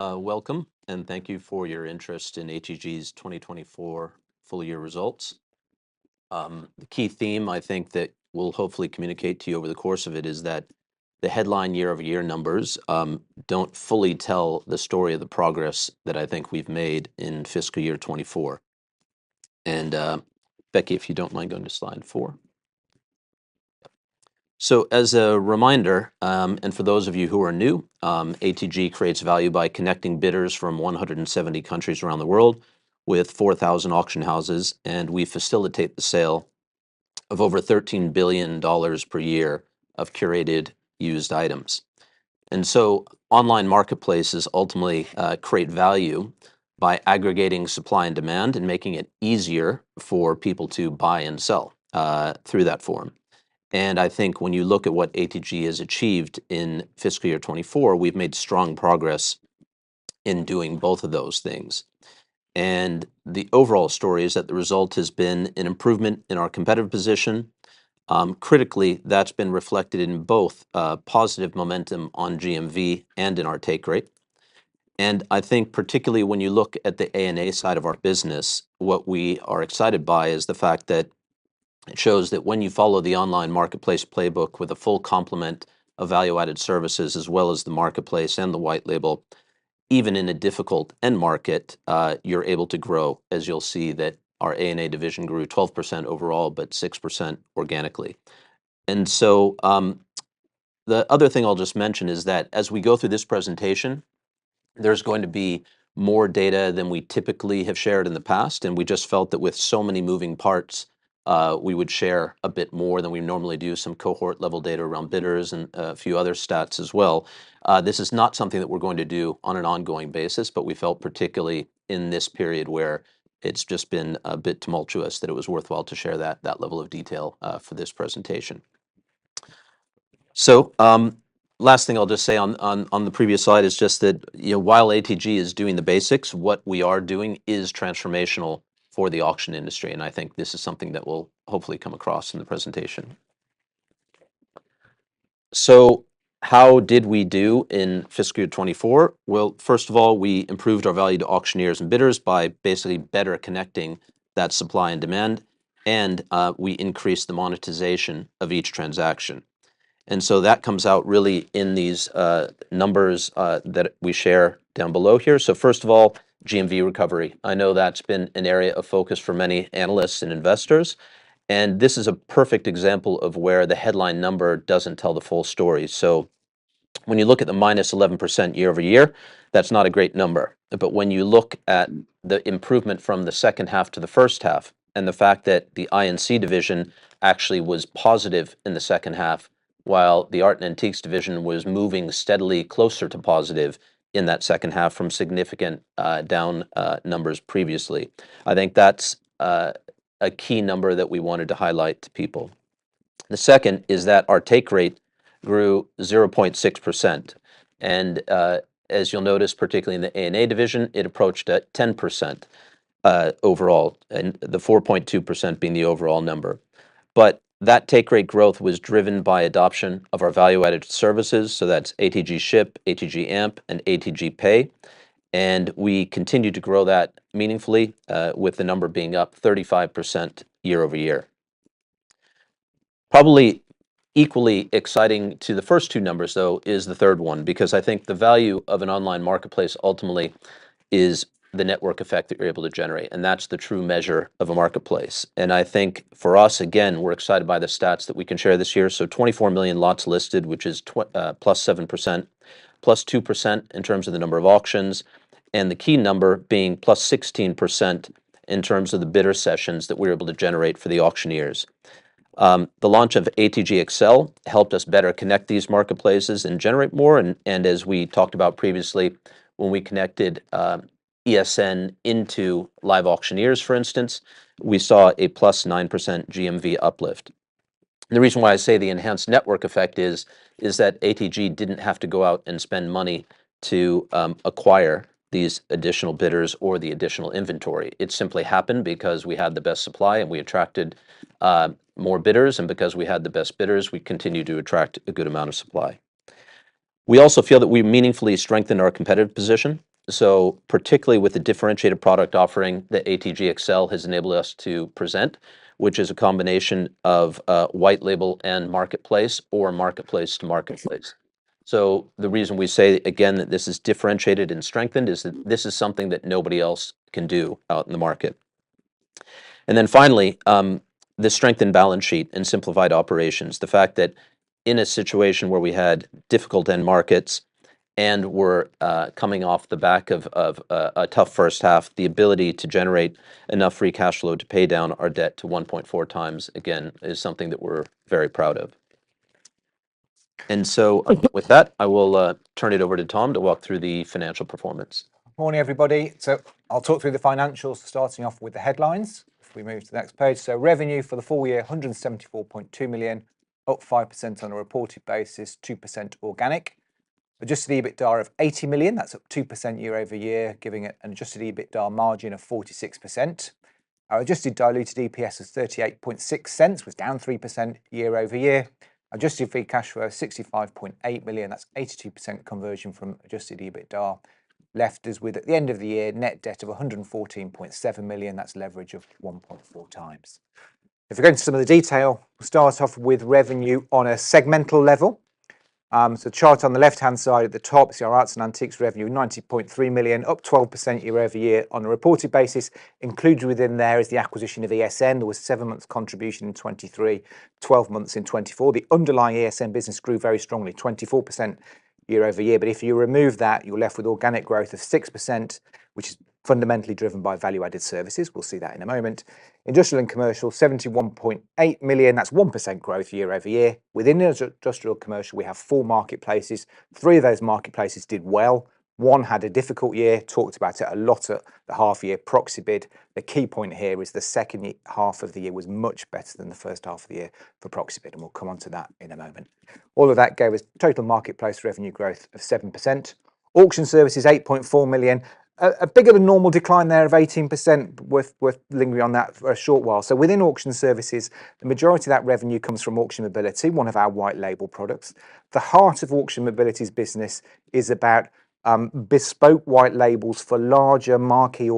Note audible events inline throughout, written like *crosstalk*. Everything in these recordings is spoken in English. Welcome, and thank you for your interest in ATG's 2024 Full-year Results. The key theme I think that we'll hopefully communicate to you over the course of it, is that the headline year-over-y numbers don't fully tell the story of the progress that I think we've made in fiscal year 2024. Becky, if you don't mind going to slide four. As a reminder, and for those of you who are new, ATG creates value by connecting bidders from 170 countries around the world, with 4,000 auction houses. We facilitate the sale of over $13 billion per year of curated, used items. Online marketplaces ultimately create value by aggregating supply and demand, and making it easier for people to buy and sell through that form. I think when you look at what ATG has achieved in fiscal year 2024, we've made strong progress in doing both of those things. The overall story is that the result has been an improvement in our competitive position. Critically, that's been reflected in both positive momentum on GMV and in our take rate. I think particularly when you look at the A&A side of our business, what we are excited by is the fact that it shows that when you follow the online marketplace playbook with a full complement of value-added services as well as the marketplace and the white label, even in a difficult end market, you're able to grow, as you'll see that our A&A division grew 12% overall but 6% organically. The other thing I'll just mention is that as we go through this presentation, there's going to be more data than we typically have shared in the past. We just felt that with so many moving parts, we would share a bit more than we normally do, some cohort-level data around bidders and a few other stats as well. This is not something that we're going to do on an ongoing basis, but we felt particularly in this period where it's just been a bit tumultuous, that it was worthwhile to share that level of detail for this presentation. Last thing I'll just say on the previous slide is just that while ATG is doing the basics, what we are doing is transformational for the auction industry. I think this is something that will hopefully come across in the presentation. How did we do in fiscal year 2024? First of all, we improved our value to auctioneers and bidders by basically better connecting that supply and demand, and we increased the monetization of each transaction. That comes out really in these numbers that we share down below here. First of all, GMV recovery. I know that's been an area of focus for many analysts and investors, and this is a perfect example of where the headline number doesn't tell the full story. When you look at the -11% year-over-year, that's not a great number. When you look at the improvement from the second half to the first half, and the fact that the I&C division actually was positive in the second half, while the art and antiques division was moving steadily closer to positive in that second half from significant down numbers previously, I think that's a key number that we wanted to highlight to people. The second is that our take rate grew 0.6%. As you'll notice, particularly in the A&A division, it approached 10% overall, the 4.2% being the overall number. That take rate growth was driven by adoption of our value-added services. That's ATG Ship, ATG AMP, and ATG Pay. We continue to grow that meaningfully, with the number being up 35% year-over-year. Probably equally exciting to the first two numbers though, is the third one, because I think the value of an online marketplace ultimately is the network effect that you're able to generate, and that's the true measure of a marketplace. I think for us again, we're excited by the stats that we can share this year, so 24 million lots listed, which is +7%, +2% in terms of the number of auctions, and the key number being +16% in terms of the bidder sessions that we're able to generate for the auctioneers. The launch of ATG XL helped us better connect these marketplaces and generate more. As we talked about previously, when we connected ESN into LiveAuctioneers, for instance, we saw a +9% GMV uplift. The reason why I say the enhanced network effect is that ATG didn't have to go out, and spend money to acquire these additional bidders or the additional inventory. It simply happened because we had the best supply and we attracted more bidders, and because we had the best bidders, we continued to attract a good amount of supply. We also feel that we meaningfully strengthened our competitive position. Particularly with the differentiated product offering that ATG XL has enabled us to present, which is a combination of white label and marketplace or marketplace to marketplace. The reason we say again that this is differentiated, and strengthened is that this is something that nobody else can do out in the market. Then finally, the strengthened balance sheet and simplified operations, the fact that in a situation where we had difficult end markets and were coming off the back of a tough first half, the ability to generate enough Free Cash Flow to pay down our debt to 1.4x again, is something that we're very proud of. With that, I will turn it over to Tom to walk through the financial performance. Morning, everybody. I'll talk through the financials, starting off with the headlines. If we move to the next page. Revenue for the full year, £174.2 million, up 5% on a reported basis, 2% organic. Adjusted EBITDA of £80 million, that's up 2% year-over-year, giving an adjusted EBITDA margin of 46%. Our adjusted diluted EPS was $0.386, was down 3% year-over-year. Adjusted free cash flow of £65.8 million, that's 82% conversion from adjusted EBITDA. Left us with, at the end of the year, net debt of £114.7 million, that's leverage of 1.4x. If we go into some of the detail, we'll start off with revenue on a segmental level. The chart on the left-hand side at the top, you see our arts and antiques revenue, £90.3 million, up 12% year-over-year on a reported basis. Included within there is the acquisition of ESN. There was seven-months' contribution in 2023, 12 months in 2024. The underlying ESN business grew very strongly, 24% year-over-year. If you remove that, you're left with organic growth of 6%, which is fundamentally driven by value-added services. We'll see that in a moment. Industrial and commercial, 71.8 million, that's 1% growth year-over-year. Within industrial and commercial, we have four marketplaces. Three of those marketplaces did well. One had a difficult year, talked about it a lot at the half-year Proxibid. The key point here is the second half of the year was much better than the first half of the year for Proxibid, and we'll come on to that in a moment. All of that gave us total marketplace revenue growth of 7%. Auction services, 8.4 million, a bigger than normal decline there of 18%, we're lingering on that for a short while. Within auction services, the majority of that revenue comes from auctionability, one of our White Label products. The heart of auctionability's business is about bespoke white labels for larger marquee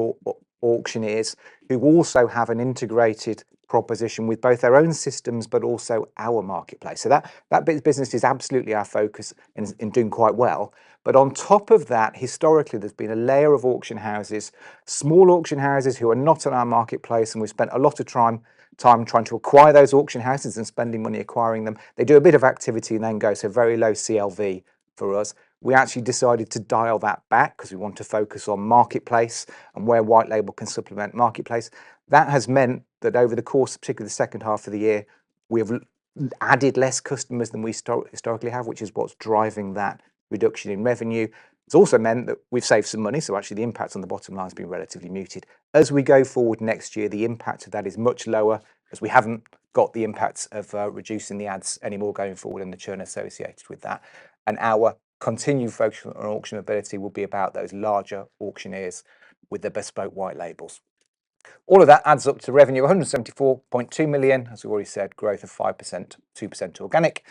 auctioneers, who also have an integrated proposition with both their own systems, but also our marketplace. That bit of business is absolutely our focus and doing quite well. On top of that, historically, there's been a layer of auction houses, small auction houses who are not in our marketplace. We've spent a lot of time trying to acquire those auction houses and spending money acquiring them. They do a bit of activity and then go to very low CLV for us. We actually decided to dial that back because we want to focus on marketplace, and where White Label can supplement marketplace. That has meant that over the course, particularly the second half of the year, we have added less customers than we historically have, which is what's driving that reduction in revenue. It's also meant that we've saved some money. Actually, the impact on the bottom line has been relatively muted. As we go forward next year, the impact of that is much lower because we haven't got the impact of reducing the ads anymore going forward and the churn associated with that. Our continued focus on auctionability will be about those larger auctioneers with the Bespoke White Labels. All of that adds up to revenue of 174.2 million, as we already said, growth of 5%, 2% organic.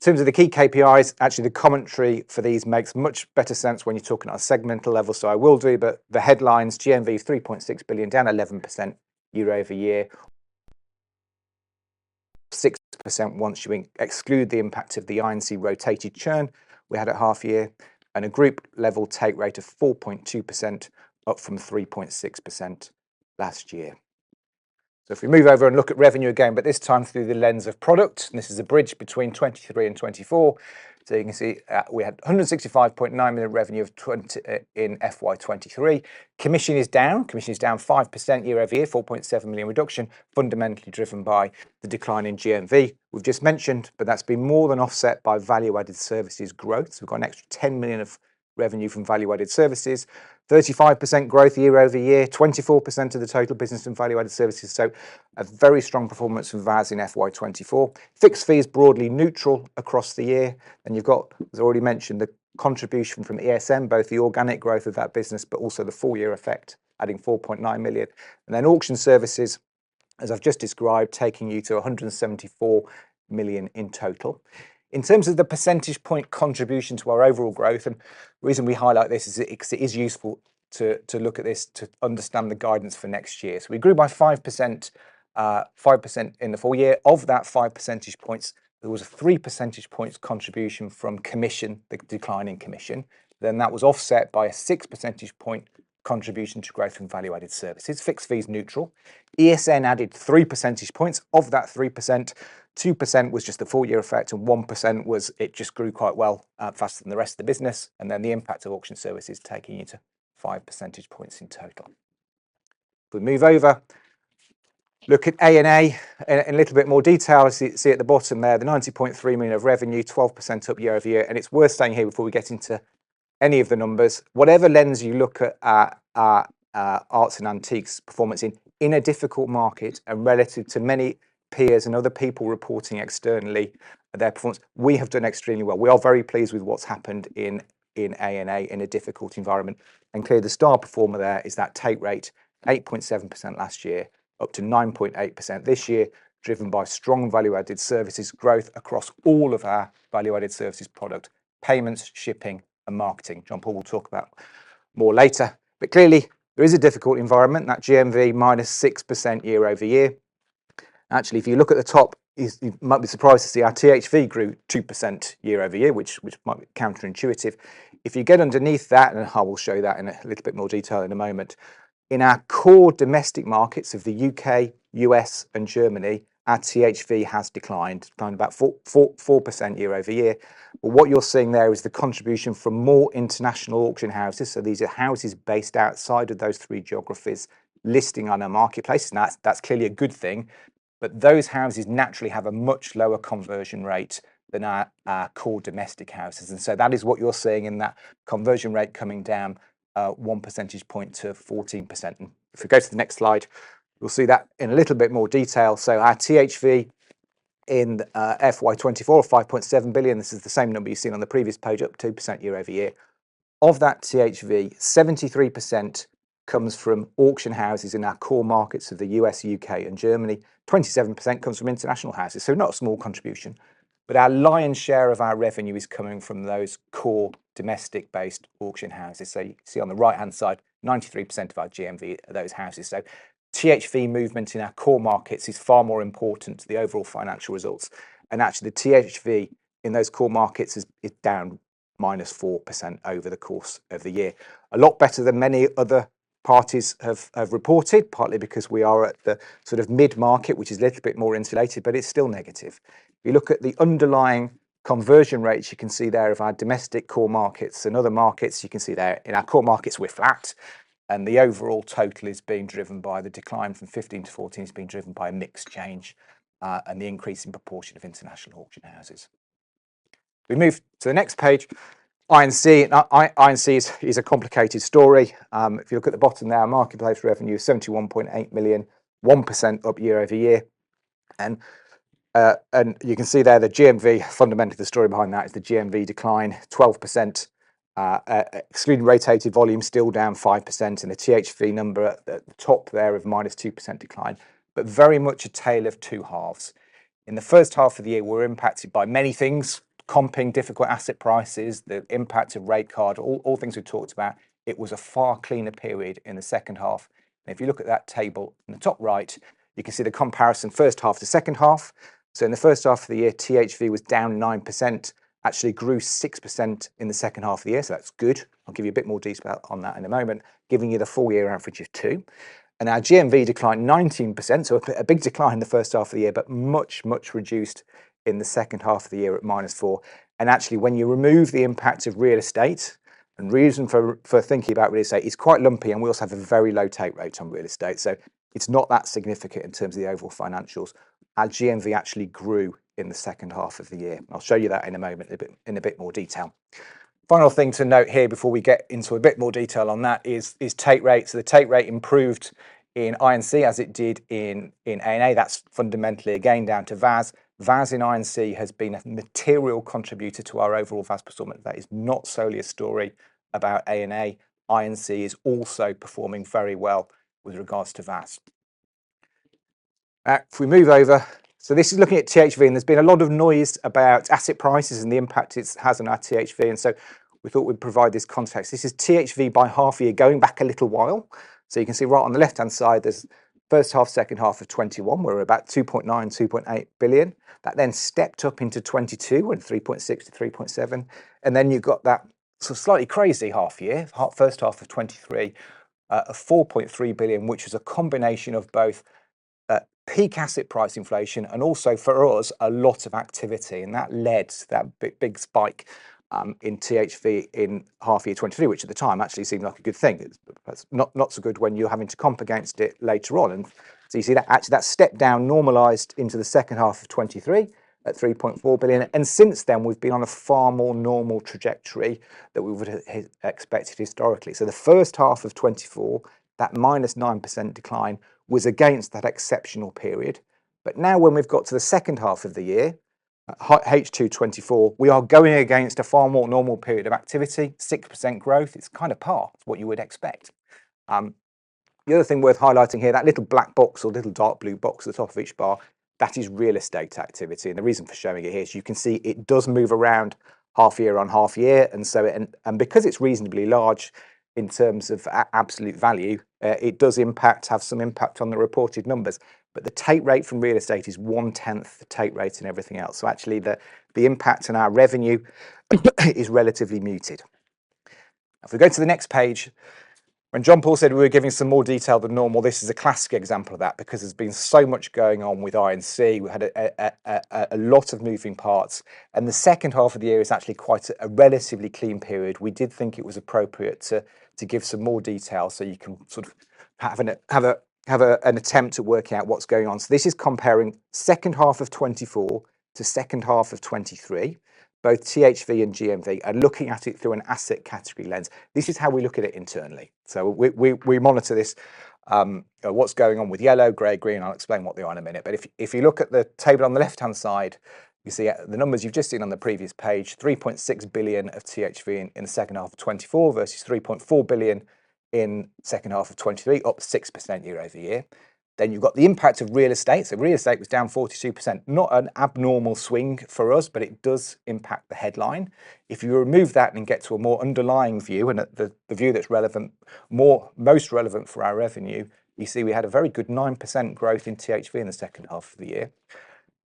In terms of the key KPIs, actually the commentary for these makes much better sense when you're talking on a segmental level, so I will do, but the headlines, GMV is $3.6 billion, down 11% year-over-year, *audio distortion* 6%. Once you exclude the impact of the I&C rotated churn, we had at half-year and a group-level take rate of 4.2% up from 3.6% last year. If we move over and look at revenue again, but this time through the lens of product, and this is a bridge between 2023 and 2024, so you can see we had 165.9 million revenue in FY 2023. Commission is down 5% year-over-year, 4.7 million reduction, fundamentally driven by the decline in GMV we've just mentioned, but that's been more than offset by value-added services growth. We've got an extra 10 million of revenue from value-added services, 35% growth year-over-year, 24% of the total business from value-added services. A very strong performance for VAS in FY 2024. Fixed fees broadly neutral across the year. You've got, as I already mentioned, the contribution from ESN, both the organic growth of that business, but also the full-year effect, adding 4.9 million. Then auction services, as I've just described, taking you to 174 million in total. In terms of the percentage point contribution to our overall growth, and the reason we highlight this, is it is useful to look at this to understand the guidance for next year. We grew by 5% in the full year. Of that 5 percentage points, there was a 3 percentage points contribution from commission, the decline in commission. Then that was offset by a 6 percentage point contribution to growth from value-added services. Fixed fee is neutral. ESN added 3 percentage points. Of that 3%, 2% was just the full-year effect and 1% was, it just grew quite well, faster than the rest of the business and then the impact of auction services taking you to 5 percentage points in total. If we move over, look at A&A in a little bit more detail. As you see at the bottom there, the £90.3 million of revenue, 12% up year-over-year, it's worth saying here before we get into any of the numbers, whatever lens you look at arts and antiques performance in, in a difficult market and relative to many peers and other people reporting externally their performance, we have done extremely well. We are very pleased with what's happened in A&A in a difficult environment, and clearly, the star performer there is that take rate, 8.7% last year, up to 9.8% this year, driven by strong value-added services growth across all of our value-added services product, payments, shipping, and marketing. John-Paul will talk about more later, but clearly, there is a difficult environment, that GMV -6% year-over-year. Actually, if you look at the top, you might be surprised to see our THV grew 2% year-over-year, which might be counterintuitive. If you get underneath that, and I will show that in a little bit more detail in a moment, in our core domestic markets of the U.K., U.S., and Germany, our THV has declined about 4% year-over-year, but what you're seeing there is the contribution from more international auction houses. These are houses based outside of those three geographies listing on our marketplace, and that's clearly a good thing. Those houses naturally have a much lower conversion rate than our core domestic houses. That is what you're seeing in that conversion rate coming down 1 percentage point to 14%. If we go to the next slide, we'll see that in a little bit more detail. Our THV in FY 2024 of 5.7 billion, this is the same number you've seen on the previous page, up 2% year-over-year. Of that THV, 73% comes from auction houses in our core markets of the U.S., U.K., and Germany. 27% comes from international houses, so not a small contribution. Our lion's share of our revenue is coming from those core domestic-based auction houses. You see on the right-hand side, 93% of our GMV are those houses. THV movement in our core markets is far more important to the overall financial results. Actually, the THV in those core markets is down -4% over the course of the year. A lot better than many other parties have reported, partly because we are at the sort of mid-market, which is a little bit more insulated, but it's still negative. If you look at the underlying conversion rates, you can see there of our domestic core markets and other markets, you can see there in our core markets, we're flat. The overall total is being driven by the decline from 15% to 14%. This is being driven by a mix change, and the increase in proportion of international auction houses. We move to the next page, I&C. Now, I&C is a complicated story. If you look at the bottom there, our marketplace revenue is 71.8 million, 1% up year-over-year. You can see there the GMV, fundamentally the story behind that is the GMV decline, 12%, excluding rotated volume, still down 5%. The THV number at the top there of -2% decline, but very much a tale of two halves. In the first half of the year, we were impacted by many things, comping, difficult asset prices, the impact of rate card, all things we've talked about. It was a far cleaner period in the second half. If you look at that table in the top right, you can see the comparison, first half to second half. In the first half of the year, THV was down 9%, actually grew 6% in the second half of the year, so that's good. I'll give you a bit more detail on that in a moment, giving you the full-year average of two. Our GMV declined 19%, so a big decline in the first half of the year, but much, much reduced in the second half of the year at -4%. Actually, when you remove the impact of real estate, and the reason for thinking about real estate is quite lumpy, and we also have a very low take rate on real estate, so it's not that significant in terms of the overall financials. Our GMV actually grew in the second half of the year. I'll show you that in a moment in a bit more detail. Final thing to note here before we get into a bit more detail on that is take rate, so the take rate improved in I&C as it did in A&A. That's fundamentally again down to VAS. VAS in I&C has been a material contributor to our overall VAS performance. That is not solely a story about A&A. I&C is also performing very well with regards to VAS. If we move over, so this is looking at THV. There's been a lot of noise about asset prices and the impact it has on our THV. We thought we'd provide this context. This is THV by half-year going back a little while. You can see right on the left-hand side, there's first half, second half of 2021, where we're about 2.9 billion, 2.8 billion. That then stepped up into 2022 at 3.6 million-3.7 billion. You've got that sort of slightly crazy half-year, first half of 2023, of 4.3 billion, which was a combination of both peak asset price inflation and also for us, a lot of activity. That led to that big spike in THV in half-year 2023, which at the time actually seemed like a good thing. It's not not so good when you're having to comp against it later on. You see that actually that step down normalized into the second half of 2023 at 3.4 billion. Since then, we've been on a far more normal trajectory than we would have expected historically. The first half of 2024, that -9% decline was against that exceptional period. Now when we've got to the second half of the year, H2 2024, we are going against a far more normal period of activity, 6% growth. It's kind of par, what you would expect. The other thing worth highlighting here, that little black box or little dark blue box at the top of each bar, that is real estate activity. The reason for showing it here is you can see it does move around half-year on half-year, and because it's reasonably large in terms of absolute value, iit does have some impact on the reported numbers, The take rate from real estate is 1/10 the take rate in everything else, so, actually the impact on our revenue is relatively muted. If we go to the next page, when John-Paul said we were giving some more detail than normal, this is a classic example of that because there's been so much going on with I&C. We had a lot of moving parts. The second half of the year is actually quite a relatively clean period. We did think it was appropriate to give some more detail, so you can sort of have an attempt to work out what's going on. This is comparing second half of 2024 to second half of 2023, both THV and GMV, and looking at it through an asset category lens. This is how we look at it internally. We monitor this, what's going on with yellow, gray, green. I'll explain what they are in a minute. If you look at the table on the left-hand side, you see the numbers you've just seen on the previous page, 3.6 billion of THV in the second half of 2024 versus 3.4 billion in second half of 2023, up 6% year-over-year. You've got the impact of real estate. Real estate was down 42%. Not an abnormal swing for us, but it does impact the headline. If you remove that and get to a more underlying view, and the view that's most relevant for our revenue, you see we had a very good 9% growth in THV in the second half of the year.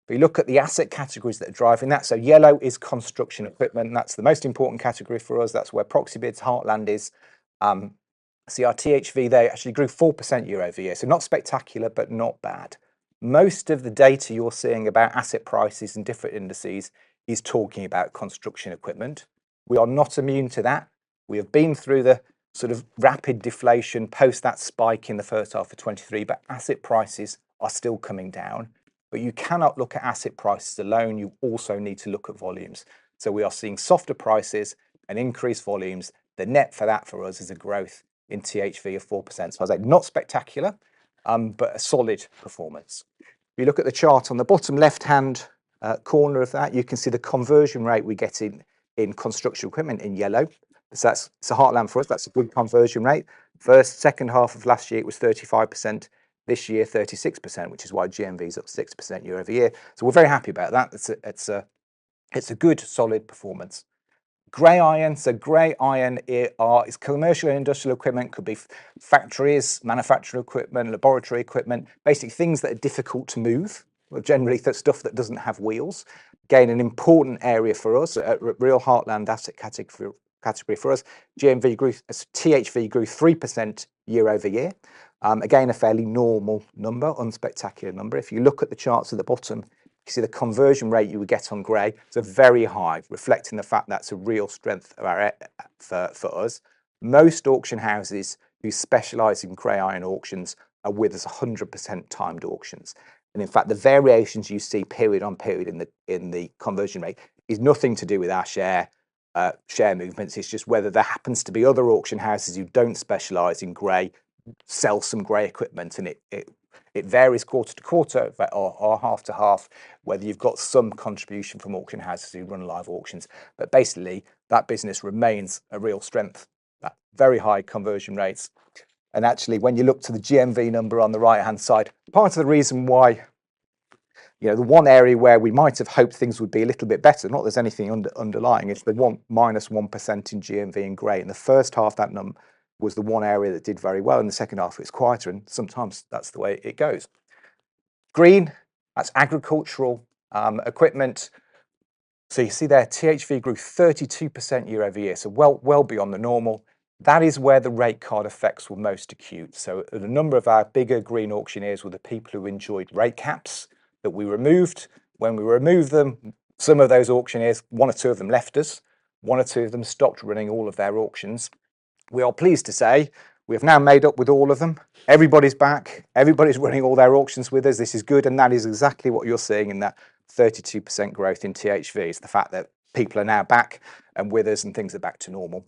If you look at the asset categories that are driving that, so yellow is construction equipment. That's the most important category for us. That's where Proxibid heartland is. See, our THV there actually grew 4% year-over-year. Not spectacular, but not bad. Most of the data you're seeing about asset prices in different indices is talking about construction equipment. We are not immune to that. We have been through the sort of rapid deflation post that spike in the first half of 2023, but asset prices are still coming down. You cannot look at asset prices alone. You also need to look at volumes, so we are seeing softer prices and increased volumes. The net for that for us is a growth in THV, of 4%. I was like, not spectacular, but a solid performance. If you look at the chart on the bottom left-hand corner of that, you can see the conversion rate we get in construction equipment in yellow. That's the Heartland for us. That's a good conversion rate. First, second half of last year, it was 35%. This year, 36%, which is why GMV is up 6% year-over-year. We're very happy about that. It's a good, solid performance. Gray Iron, so Gray Iron is commercial and industrial equipment. Could be factories, manufacturing equipment, laboratory equipment, basically things that are difficult to move. Generally, that's stuff that doesn't have wheels. Again, an important area for us, a real Heartland asset category for us. THV grew 3% year-over-year. Again, a fairly normal number, unspectacular number. If you look at the charts at the bottom, you see the conversion rate you would get on Gray. It's a very high, reflecting the fact that's a real strength for us. Most auction houses who specialize in Gray Iron auctions are with us 100% timed auctions. In fact, the variations you see period on period in the conversion rate is nothing to do with our share movements. It's just whether there happens to be other auction houses who don't specialize in Gray, sell some Gray equipment, and it varies quarter to quarter or half to half, whether you've got some contribution from auction houses who run live auctions. Basically, that business remains a real strength, that very high conversion rates. Actually, when you look to the GMV number on the right-hand side, part of the reason why, the one area where we might have hoped things would be a little bit better, not that there's anything underlying, is the -1% in GMV in gray. The first half of that number was the one area that did very well. The second half, it's quieter. Sometimes that's the way it goes. Green, that's agricultural equipment. You see there, THV grew 32% year-over-year, so well beyond the normal. That is where the rate card effects were most acute. The number of our bigger green auctioneers were the people who enjoyed rate caps that we removed. When we removed them, some of those auctioneers, one or two of them left us. One or two of them stopped running all of their auctions. We are pleased to say we have now made up with all of them. Everybody's back. Everybody's running all their auctions with us. This is good, and that is exactly what you're seeing in that 32% growth in THV. It's the fact that people are now back and with us, and things are back to normal.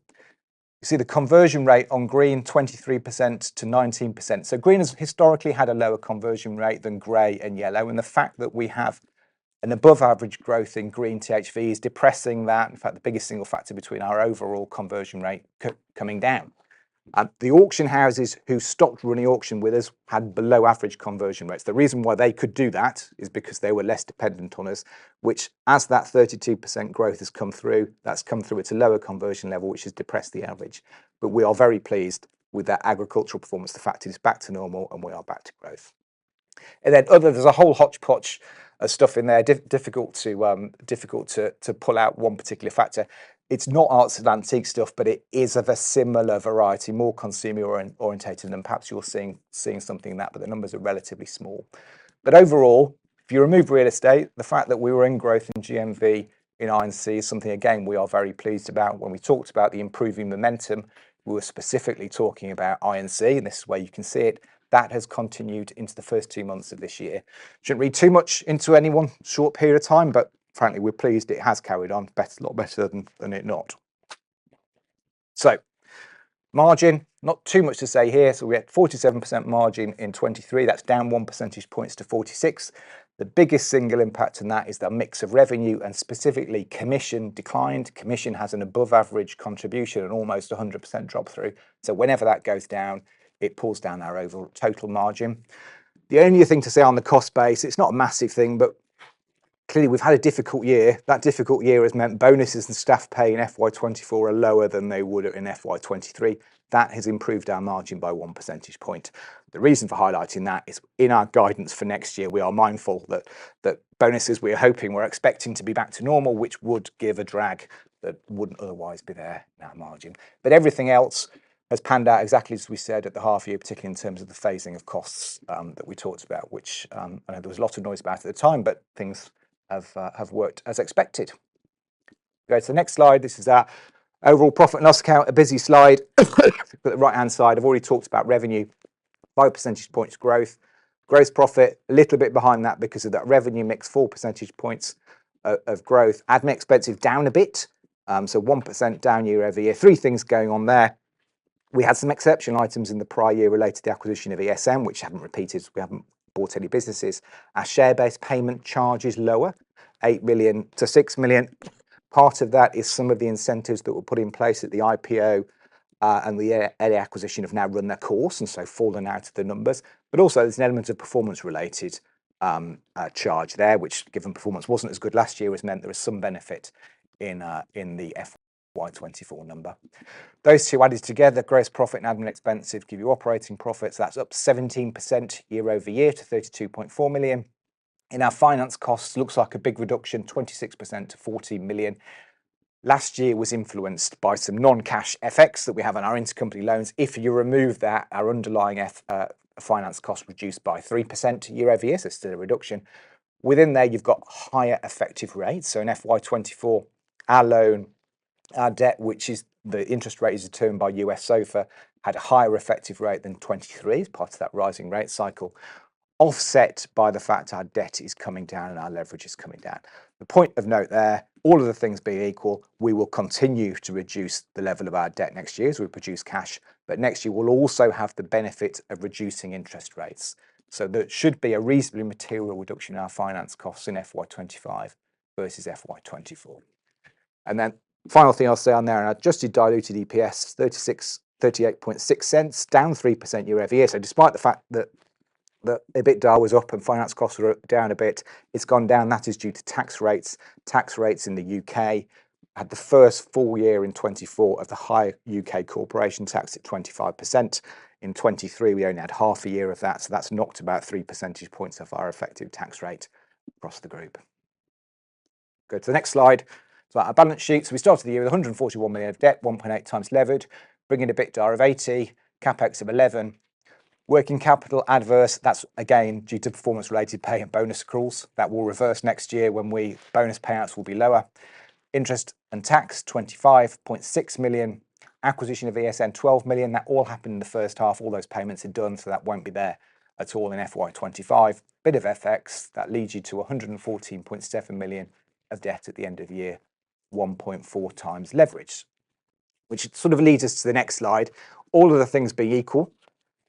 You see the conversion rate on green, 23% to 19%, so green has historically had a lower conversion rate than gray and yellow. The fact that we have an above-average growth in green THV is depressing that. In fact, the biggest single factor behind our overall conversion rate coming down, the auction houses who stopped running auctions with us had below-average conversion rates. The reason why they could do that is because they were less dependent on us, which, as that 32% growth has come through, that's come through at a lower conversion level, which has depressed the average. We are very pleased with that agricultural performance. The fact, it's back to normal and we are back to growth. Then there's a whole hodgepodge of stuff in there. Difficult to pull out one particular factor. It's not arts and antiques stuff, but it is of a similar variety, more consumer oriented than perhaps you're seeing something in that. The numbers are relatively small. Overall, if you remove real estate, the fact that we were in growth in GMV in I&C is something, again, we are very pleased about. When we talked about the improving momentum, we were specifically talking about I&C and this is where you can see it. That has continued into the first two months of this year. Shouldn't read too much into any one short period of time, but frankly, we're pleased it has carried on a lot better than it not. Margin, not too much to say here, so we had 47% margin in 2023. That's down one percentage points to 46%. The biggest single impact in that is the mix of revenue, and specifically commission declined. Commission has an above-average contribution and almost 100% drop through. Whenever that goes down, it pulls down our overall total margin. The only thing to say on the cost base, it's not a massive thing, but clearly we've had a difficult year. That difficult year has meant bonuses and staff pay in FY 2024 are lower than they would have in FY 2023. That has improved our margin by one percentage point. The reason for highlighting that is, in our guidance for next year, we are mindful that bonuses we are hoping we're expecting to be back to normal, which would give a drag that wouldn't otherwise be there in our margin. Everything else has panned out exactly as we said at the half-year, particularly in terms of the phasing of costs that we talked about, which I know there was a lot of noise about at the time, but things have worked as expected. Go to the next slide. This is our overall profit and loss account, a busy slide at the right-hand side. I've already talked about revenue, five percentage points growth, gross profit, a little bit behind that because of that revenue mix, four percentage points of growth. Admin expenses down a bit, so 1% down year-over-year. Three things going on there. We had some exceptional items in the prior year related to the acquisition of ESN, which haven't repeated. We haven't bought any businesses. Our share-based payment charge is lower, 8 million to 6 million. Part of that is some of the incentives that were put in place at the IPO, and the early acquisition have now run their course and so fallen out of the numbers. Also, there's an element of performance-related charge there, which, given performance wasn't as good last year, has meant there was some benefit in the FY 2024 number. Those two added together, gross profit and admin expenses, give you operating profits. That's up 17% year-over-year to 32.4 million. In our finance costs, looks like a big reduction, 26% to 40 million. Last year was influenced by some non-cash FX that we have on our intercompany loans. If you remove that, our underlying finance costs reduced by 3% year-over-year, so it's still a reduction. Within there, you've got higher effective rates. In FY 2024, our loan, our debt, which is the interest rate is determined by US SOFR, had a higher effective rate than 2023 as part of that rising rate cycle, offset by the fact our debt is coming down and our leverage is coming down. The point of note there, all of the things being equal, we will continue to reduce the level of our debt next year as we produce cash. Next year, we'll also have the benefit of reducing interest rates, so there should be a reasonably material reduction in our finance costs in FY 2025 versus FY 2024. Then final thing I'll say on there, and I just did diluted EPS, $0.386, down 3% year-over-year. Despite the fact that the EBITDA was up and finance costs were down a bit, it's gone down. That is due to tax rates. Tax rates in the U.K. had the first full year in 2024 of the high U.K. corporation tax at 25%. In 2023, we only had half a year of that. That's knocked about 3 percentage points of our effective tax rate across the group. Good, so, next slide. Our balance sheet, we started the year with 141 million of debt, 1.8x levered, bringing EBITDA of 80, CapEx of 11, working capital adverse. That's again due to performance-related pay and bonus accruals. That will reverse next year when bonus payouts will be lower. Interest and tax, 25.6 million. Acquisition of ESN, 12 million. That all happened in the first half. All those payments are done. That won't be there at all in FY 2025, bit of FX. That leads you to 114.7 million of debt at the end of year, 1.4x leverage, which sort of leads us to the next slide. All of the things being equal,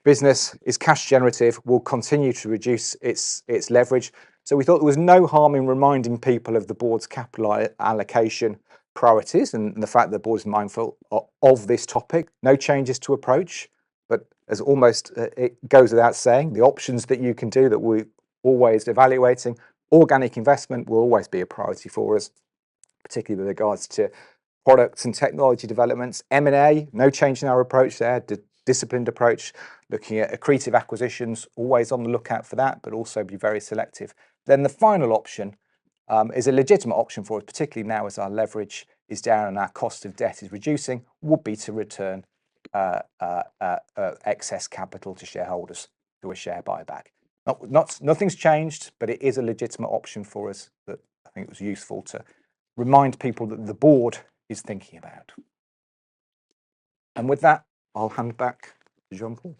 business is cash generative. We'll continue to reduce its leverage. We thought there was no harm in reminding people of the board's capital allocation priorities, and the fact that the board is mindful of this topic. No changes to approach, but as it almost goes without saying, the options that you can do that we're always evaluating, organic investment will always be a priority for us, particularly with regards to products and technology developments. M&A, no change in our approach there, disciplined approach, looking at accretive acquisitions, always on the lookout for that, but also be very selective. Then the final option is a legitimate option for us, particularly now as our leverage is down and our cost of debt is reducing, would be to return excess capital to shareholders through a share buyback. Nothing's changed, but it is a legitimate option for us, that I think it was useful to remind people that the board is thinking about. With that, I'll hand back to John-Paul.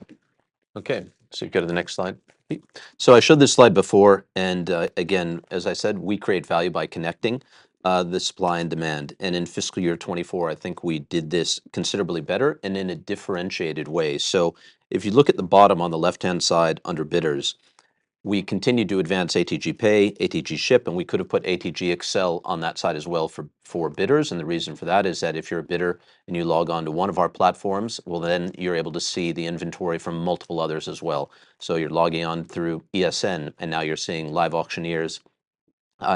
Okay, so you go to the next slide. I showed this slide before. Again, as I said, we create value by connecting the supply and demand. In fiscal year 2024, I think we did this considerably better and in a differentiated way. If you look at the bottom on the left-hand side under bidders, we continue to advance ATG Pay, ATG Ship, and we could have put ATG XL on that side as well for bidders. The reason for that is that if you're a bidder and you log on to one of our platforms, well, then you're able to see the inventory from multiple others as well. You're logging on through ESN, and now you're seeing live auctioneers'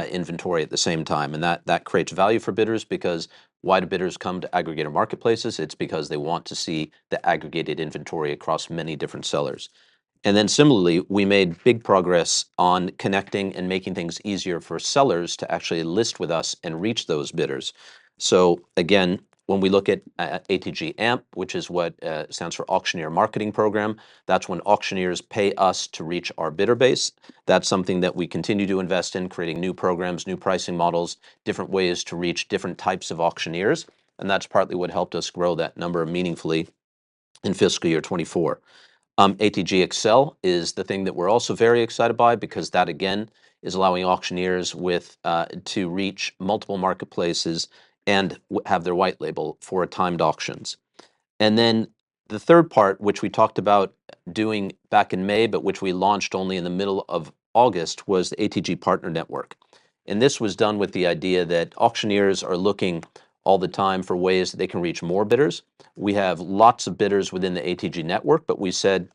inventory at the same time. That creates value for bidders because why do bidders come to aggregator marketplaces? It's because they want to see the aggregated inventory across many different sellers. Then similarly, we made big progress on connecting and making things easier for sellers to actually list with us and reach those bidders. Again, when we look at ATG AMP, which is what stands for Auctioneer Marketing Program, that's when auctioneers pay us to reach our bidder base. That's something that we continue to invest in, creating new programs, new pricing models, different ways to reach different types of auctioneers. That's partly what helped us grow that number meaningfully in fiscal year 2024. ATG XL is the thing that we're also very excited by, because that again is allowing auctioneers to reach multiple marketplaces and have their white label for timed auctions. Then the third part, which we talked about doing back in May, but which we launched only in the middle of August, was the ATG Partner Network. This was done with the idea that auctioneers are looking all the time for ways that they can reach more bidders. We have lots of bidders within the ATG network, but we said,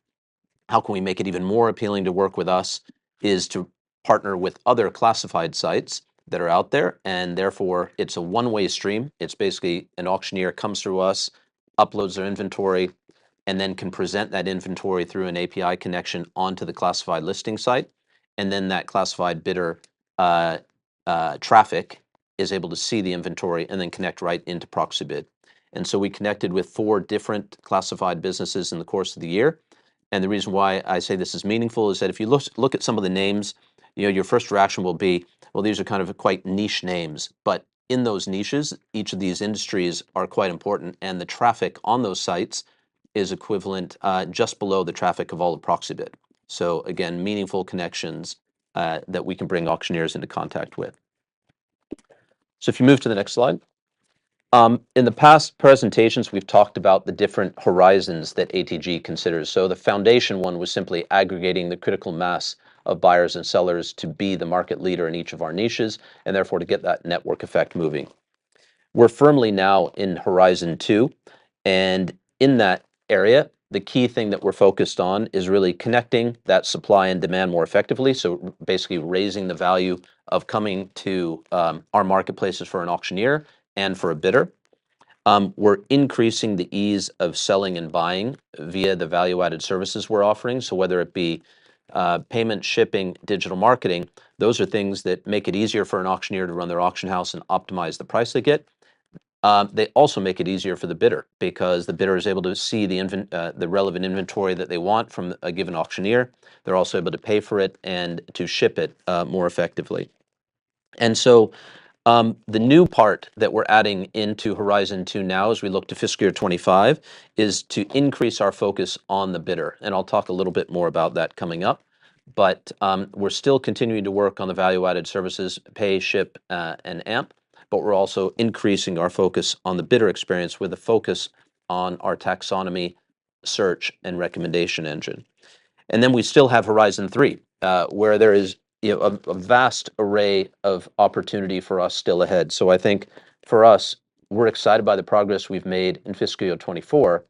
how can we make it even more appealing to work with us? Is to partner with other classified sites that are out there. Therefore, it's a one-way stream. It's basically, an auctioneer comes through us, uploads their inventory, and then can present that inventory through an API connection onto the classified listing site. Then that classified bidder traffic is able to see the inventory and then connect right into Proxibid, and so we connected with four different classified businesses in the course of the year. The reason why I say this is meaningful is that if you look at some of the names, your first reaction will be, well, these are kind of quite niche names. In those niches, each of these industries are quite important, and the traffic on those sites is equivalent just below the traffic of all of Proxibid. Again, meaningful connections that we can bring auctioneers into contact with. If you move to the next slide. In the past presentations, we've talked about the different horizons that ATG considers. The foundation one was simply aggregating the critical mass of buyers, and sellers to be the market leader in each of our niches, and therefore to get that network effect moving. We're firmly now in horizon two. In that area, the key thing that we're focused on is really connecting that supply and demand more effectively. Basically raising the value of coming to our marketplaces for an auctioneer and for a bidder. We're increasing the ease of selling and buying via the value-added services we're offering. Whether it be payment, shipping, digital marketing, those are things that make it easier for an auctioneer to run their auction house and optimize the price they get. They also make it easier for the bidder, because the bidder is able to see the relevant inventory that they want from a given auctioneer. They're also able to pay for it and to ship it more effectively. The new part that we're adding into horizon two now as we look to fiscal year 2025 is to increase our focus on the bidder. I'll talk a little bit more about that coming up, but we're still continuing to work on the value-added services, pay, ship, and AMP. We're also increasing our focus on the bidder experience, with a focus on our taxonomy search, and recommendation engine. Then we still have horizon three, where there is a vast array of opportunity for us still ahead. I think for us, we're excited by the progress we've made in fiscal year 2024.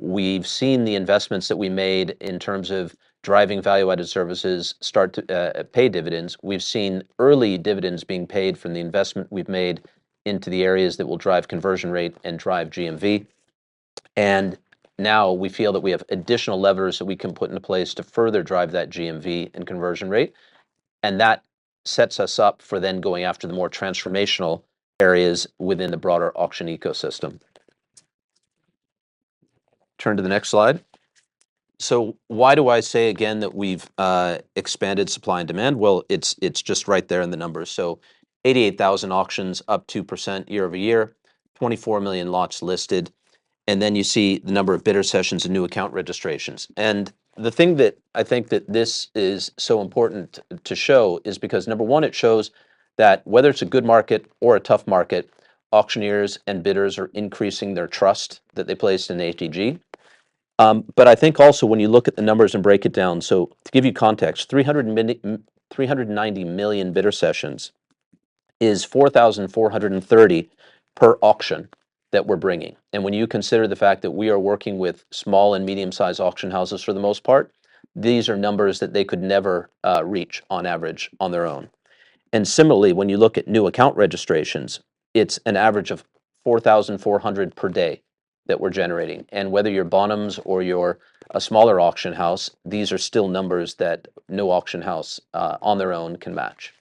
We've seen the investments that we made in terms of driving value-added services start to pay dividends. We've seen early dividends being paid from the investment we've made into the areas that will drive conversion rate and drive GMV. Now we feel that we have additional levers that we can put into place to further drive that GMV and conversion rate. That sets us up for then going after the more transformational areas within the broader auction ecosystem. Turn to the next slide. Why do I say again that we've expanded supply and demand? Well, it's just right there in the numbers. 88,000 auctions, up 2% year-over-year, 24 million lots listed. Then you see the number of bidder sessions and new account registrations. The thing that I think that this is so important to show is because number one, it shows that whether it's a good market or a tough market, auctioneers and bidders are increasing their trust that they place in ATG. I think also when you look at the numbers and break it down, so to give you context, 390 million bidder sessions is 4,430 per auction that we're bringing. When you consider the fact that we are working with small and medium-sized auction houses for the most part, these are numbers that they could never reach on average on their own. Similarly, when you look at new account registrations, it's an average of 4,400 per day that we're generating. Whether you're Bonhams or you're a smaller auction house, these are still numbers that no auction house on their own can match.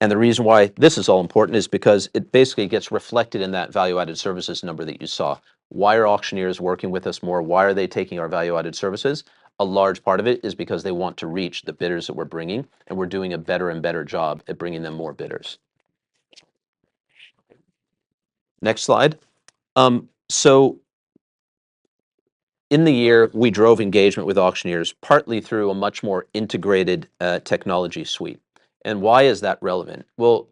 The reason why this is all important, is because it basically gets reflected in that value-added services number that you saw. Why are auctioneers working with us more? Why are they taking our value-added services? A large part of it is because they want to reach the bidders that we're bringing, and we're doing a better and better job at bringing them more bidders. Next slide. In the year, we drove engagement with auctioneers partly through a much more integrated technology suite. Why is that relevant?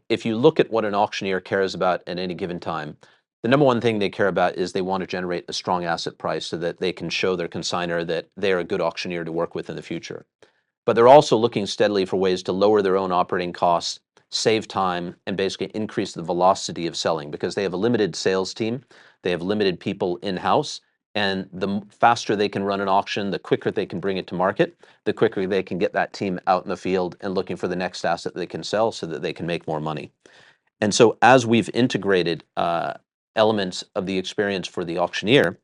If you look at what an auctioneer cares about at any given time, the number one thing they care about is they want to generate a strong asset price,, so that they can show their consignor that they are a good auctioneer to work with in the future. They're also looking steadily for ways to lower their own operating costs, save time, and basically increase the velocity of selling because they have a limited sales team. They have limited people in-house, and the faster they can run an auction, the quicker they can bring it to market, the quicker they can get that team out in the field and looking for the next asset they can sell so that they can make more money. As we've integrated elements of the experience for the auctioneer,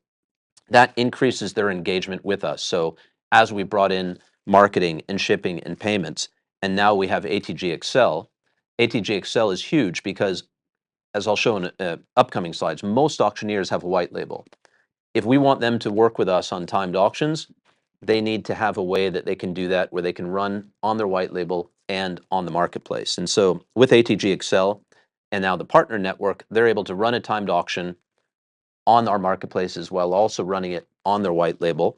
that increases their engagement with us. As we brought in marketing and shipping and payments, and now we have ATG XL, ATG XL is huge because, as I'll show in upcoming slides, most auctioneers have a white label. If we want them to work with us on timed auctions, they need to have a way that they can do that where they can run on their White Label and on the marketplace. With ATG XL and now the partner network, they're able to run a timed auction on our marketplace as well, also running it on their White Label.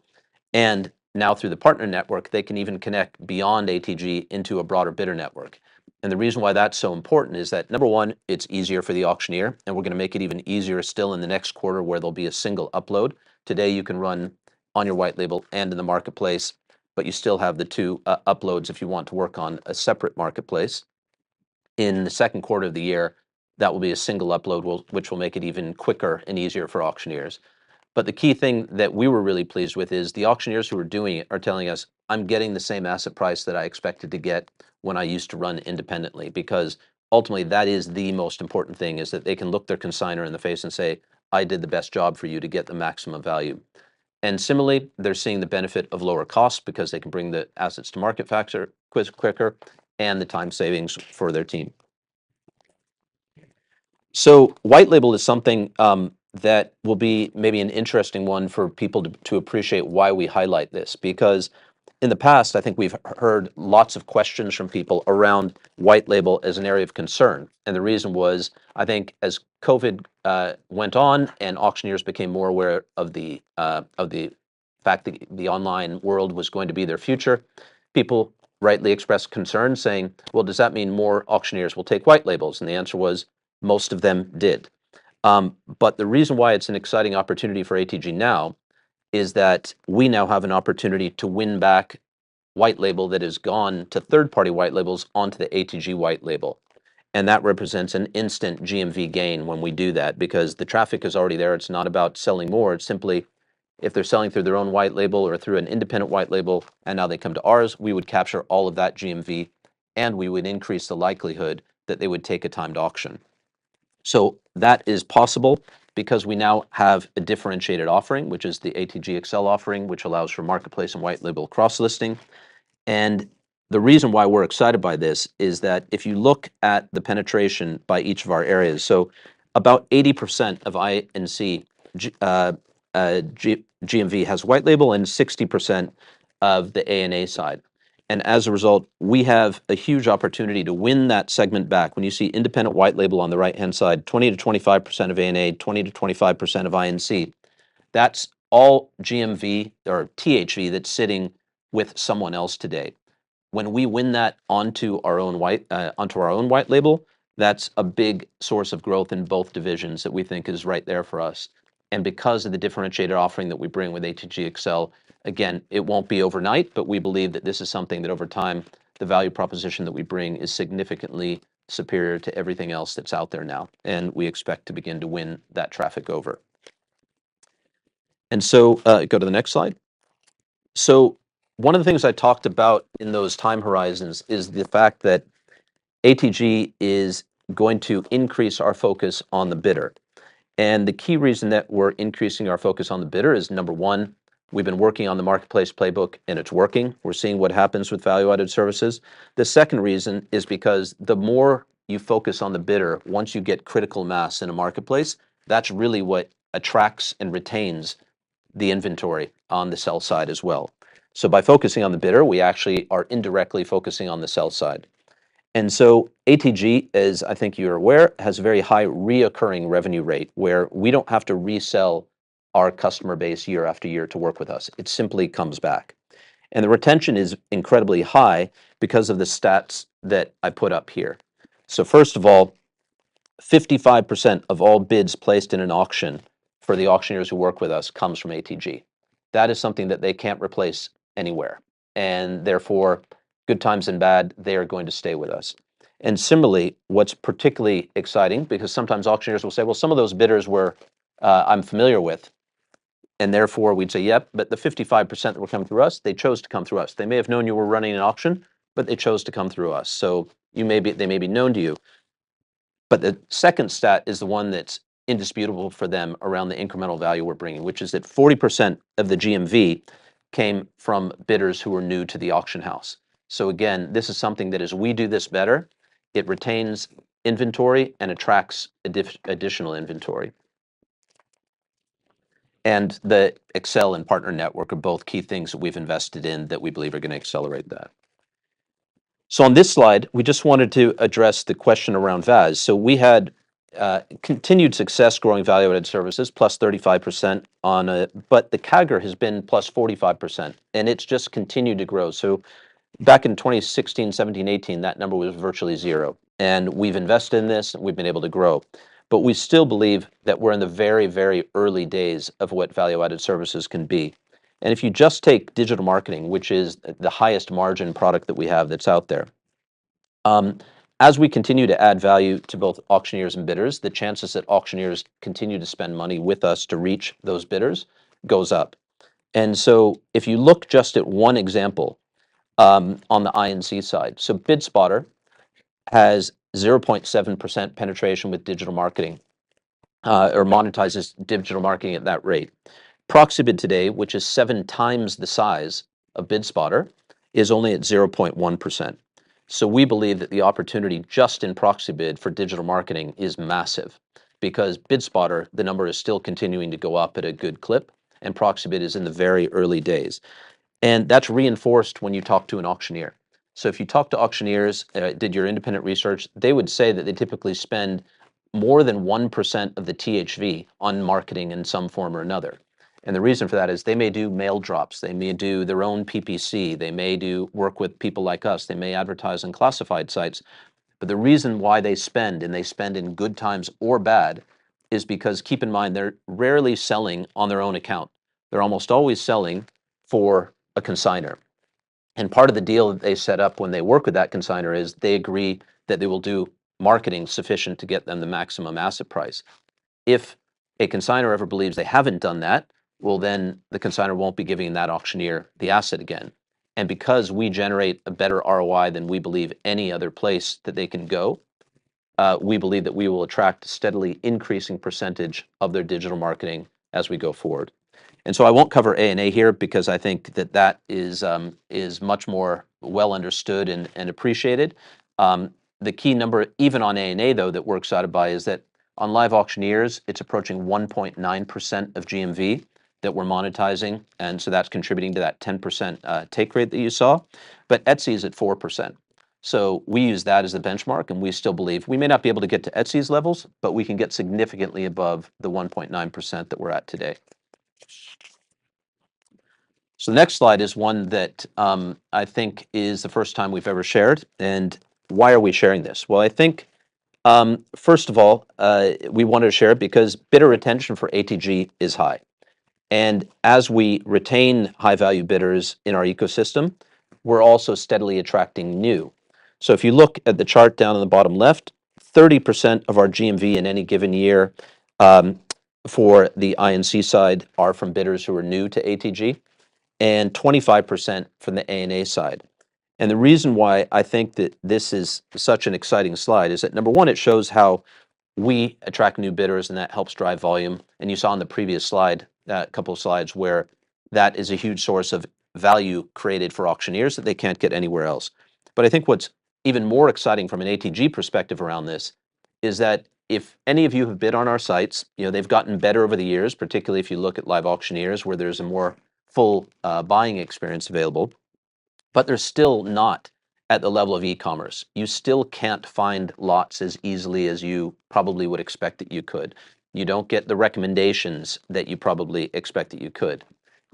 Now, through the partner network, they can even connect beyond ATG into a broader bidder network. The reason why that's so important is that, number one, it's easier for the auctioneer, and we're going to make it even easier still in the next quarter, where there'll be a single upload. Today, you can run on your White Label and in the marketplace, but you still have the two uploads if you want to work on a separate marketplace. In the second quarter of the year, that will be a single upload, which will make it even quicker and easier for auctioneers. The key thing that we were really pleased with is the auctioneers who are doing it are telling us, "I'm getting the same asset price that I expected to get when I used to run independently," because ultimately that is the most important thing, is that they can look their consignor in the face and say, "I did the best job for you to get the maximum value." Similarly, they're seeing the benefit of lower costs because they can bring the assets to market faster, quicker, and the time savings for their team. White Label is something that will be maybe an interesting one for people to appreciate why we highlight this, because in the past, I think we've heard lots of questions from people around White Label as an area of concern. The reason was, I think as COVID went on and auctioneers became more aware of the fact that the online world was going to be their future, people rightly expressed concern saying, "Well, does that mean more auctioneers will take White Labels?" The answer was, most of them did. The reason why it's an exciting opportunity for ATG now, is that we now have an opportunity to win back White Label that has gone to third-party White Labels, onto the ATG White Label. That represents an instant GMV gain when we do that because the traffic is already there. It's not about selling more. It's simply, if they're selling through their own White Label or through an independent White label, and now they come to ours, we would capture all of that GMV and we would increase the likelihood that they would take a timed auction. That is possible because we now have a differentiated offering, which is the ATG XL offering, which allows for marketplace and White Label cross-listing. The reason why we're excited by this is that if you look at the penetration by each of our areas, so about 80% of I&C, GMV has white label and 60% of the A&A side. As a result, we have a huge opportunity to win that segment back. When you see independent White Label on the right-hand side, 20%-25% of A&A, 20%-25% of I&C, that's all GMV or THV that's sitting with someone else today. When we win that onto our own white label, that's a big source of growth in both divisions that we think is right there for us. Because of the differentiated offering that we bring with ATG XL, again, it won't be overnight, but we believe that this is something that over time, the value proposition that we bring is significantly superior to everything else that's out there now. We expect to begin to win that traffic over. Go to the next slide. One of the things I talked about in those time horizons is the fact that ATG is going to increase our focus on the bidder. The key reason that we're increasing our focus on the bidder is, number one, we've been working on the marketplace playbook, and it's working. We're seeing what happens with value-added services. The second reason is because the more you focus on the bidder, once you get critical mass in a marketplace, that's really what attracts and retains the inventory on the sell side as well. By focusing on the bidder, we actually are indirectly focusing on the sell side. ATG is, I think you're aware, has a very high recurring revenue rate where we don't have to resell our customer base year after year to work with us. It simply comes back, and the retention is incredibly high because of the stats that I put up here. First of all, 55% of all bids placed in an auction for the auctioneers who work with us comes from ATG. That is something that they can't replace anywhere. Therefore, good times and bad, they are going to stay with us. Similarly, what's particularly exciting, because sometimes auctioneers will say, "Well, some of those bidders with whom I'm familiar with," and therefore we'd say, "Yep, but the 55% that were coming through us, they chose to come through us. They may have known you were running an auction, but they chose to come through us." They may be known to you. The second stat is the one that's indisputable for them around the incremental value we're bringing, which is that 40% of the GMV came from bidders who were new to the auction house. Again, this is something that as we do this better, it retains inventory and attracts additional inventory. The XL and partner network are both key things that we've invested in that we believe are going to accelerate that. On this slide, we just wanted to address the question around VAS. We had continued success growing value-added services, plus 35% on it, but the CAGR has been plus 45% and it's just continued to grow. Back in 2016, 2017, 2018, that number was virtually zero. We've invested in this, and we've been able to grow. We still believe that we're in the very, very early days of what value-added services can be. If you just take digital marketing, which is the highest margin product that we have that's out there, as we continue to add value to both auctioneers and bidders, the chances that auctioneers continue to spend money with us to reach those bidders goes up. If you look just at one example on the I&C side, so BidSpotter has 0.7% penetration with digital marketing or monetizes digital marketing at that rate. Proxibid today, which is 7s the size of BidSpotter, is only at 0.1%. We believe that the opportunity just in Proxibid for digital marketing is massive because BidSpotter, the number is still continuing to go up at a good clip and Proxibid is in the very early days. That's reinforced when you talk to an auctioneer. If you talk to auctioneers, do your independent research, they would say that they typically spend more than 1% of the THV on marketing in some form or another. The reason for that is they may do mail drops, they may do their own PPC, they may work with people like us, they may advertise on classified sites, but the reason why they spend and they spend in good times or bad, is because, keep in mind, they're rarely selling on their own account. They're almost always selling for a consignor, and part of the deal that they set up when they work with that consignor, is they agree that they will do marketing sufficient to get them the maximum asset price. If a consignor ever believes they haven't done that, well, then the consignor won't be giving that auctioneer the asset again. Because we generate a better ROI than we believe any other place that they can go, we believe that we will attract a steadily increasing percentage of their digital marketing as we go forward. I won't cover A&A here because I think that that is much more well understood and appreciated. The key number, even on A&A though, that we're excited by is that on LiveAuctioneers, it's approaching 1.9% of GMV that we're monetizing. That's contributing to that 10% take rate that you saw, but Etsy is at 4%. We use that as a benchmark and we still believe we may not be able to get to Etsy's levels, but we can get significantly above the 1.9% that we're at today. The next slide is one that I think is the first time we've ever shared. Why are we sharing this? I think, first of all, we wanted to share it because bidder retention for ATG is high. As we retain high-value bidders in our ecosystem, we're also steadily attracting new. If you look at the chart down in the bottom left, 30% of our GMV in any given year for the I&C side are from bidders who are new to ATG, and 25% from the A&A side. The reason why I think that this is such an exciting slide is that, number one, it shows how we attract new bidders and that helps drive volume. You saw on the previous slide, a couple of slides where that is a huge source of value created for auctioneers that they can't get anywhere else. I think what's even more exciting from an ATG perspective around this is that if any of you have bid on our sites, they've gotten better over the years, particularly if you look at LiveAuctioneers where there's a more full buying experience available, but they're still not at the level of e-commerce. You still can't find lots as easily as you probably would expect that you could. You don't get the recommendations that you probably expect that you could.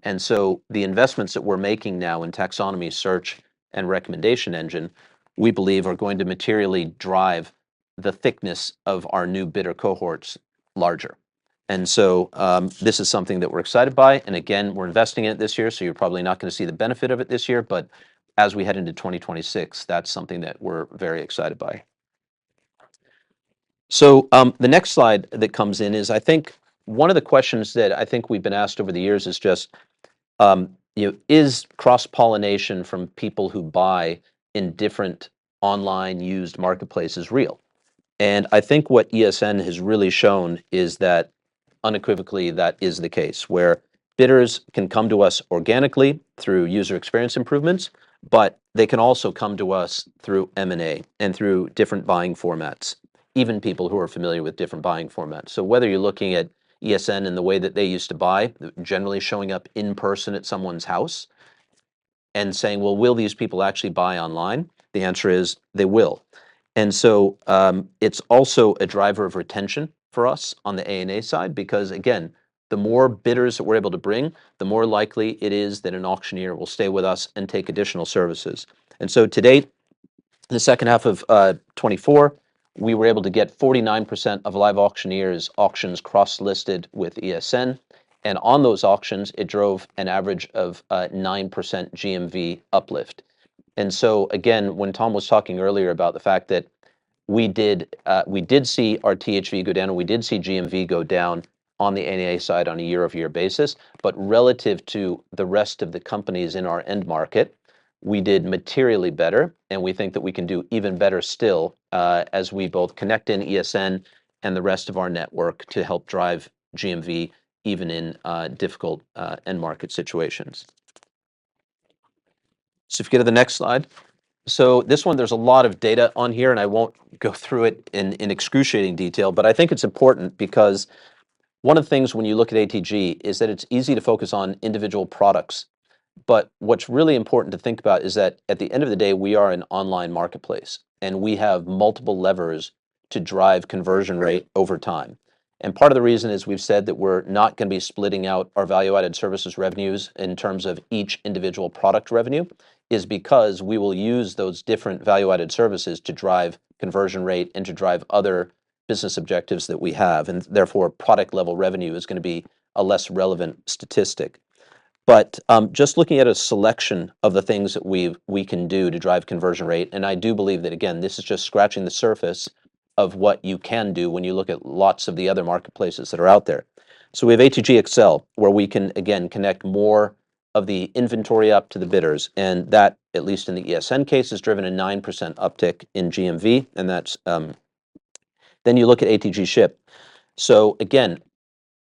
The investments that we're making now in taxonomy search and recommendation engine, we believe are going to materially drive the thickness of our new bidder cohorts larger. This is something that we're excited by. Again, we're investing in it this year, so you're probably not going to see the benefit of it this year, but as we head into 2026, that's something that we're very excited by. The next slide that comes in is, I think one of the questions that I think we've been asked over the years is just, is cross-pollination from people who buy in different online used marketplaces real? I think what ESN has really shown is that unequivocally that is the case where bidders can come to us organically through user experience improvements, but they can also come to us through M&A and through different buying formats, even people who are familiar with different buying formats. Whether you're looking at ESN and the way that they used to buy, generally showing up in person at someone's house and saying, "Well, will these people actually buy online?" The answer is they will. It's also a driver of retention for us on the A&A side because, again, the more bidders that we're able to bring, the more likely it is that an auctioneer will stay with us and take additional services. Today, the second half of 2024, we were able to get 49% of LiveAuctioneers' auctions cross-listed with ESN. On those auctions, it drove an average of 9% GMV uplift. Again, when Tom was talking earlier about the fact that we did see our THV go down and we did see GMV go down on the A&A side on a year-over-year basis, but relative to the rest of the companies in our end market, we did materially better. We think that we can do even better still as we both connect in ESN and the rest of our network to help drive GMV even in difficult end market situations. If you go to the next slide. This one, there's a lot of data on here and I won't go through it in excruciating detail, but I think it's important because one of the things when you look at ATG is that it's easy to focus on individual products. What's really important to think about is that at the end of the day, we are an online marketplace and we have multiple levers to drive conversion rate over time. Part of the reason is we've said that we're not going to be splitting out our value-added services revenues in terms of each individual product revenue, is because we will use those different value-added services to drive conversion rate and to drive other business objectives that we have. Therefore, product-level revenue is going to be a less relevant statistic. Just looking at a selection of the things that we can do to drive conversion rate, and I do believe that again, this is just scratching the surface of what you can do when you look at lots of the other marketplaces that are out there. We have ATG XL, where we can again connect more of the inventory up to the bidders. That, at least in the ESN case, has driven a 9% uptick in GMV. You look at ATG Ship. Again,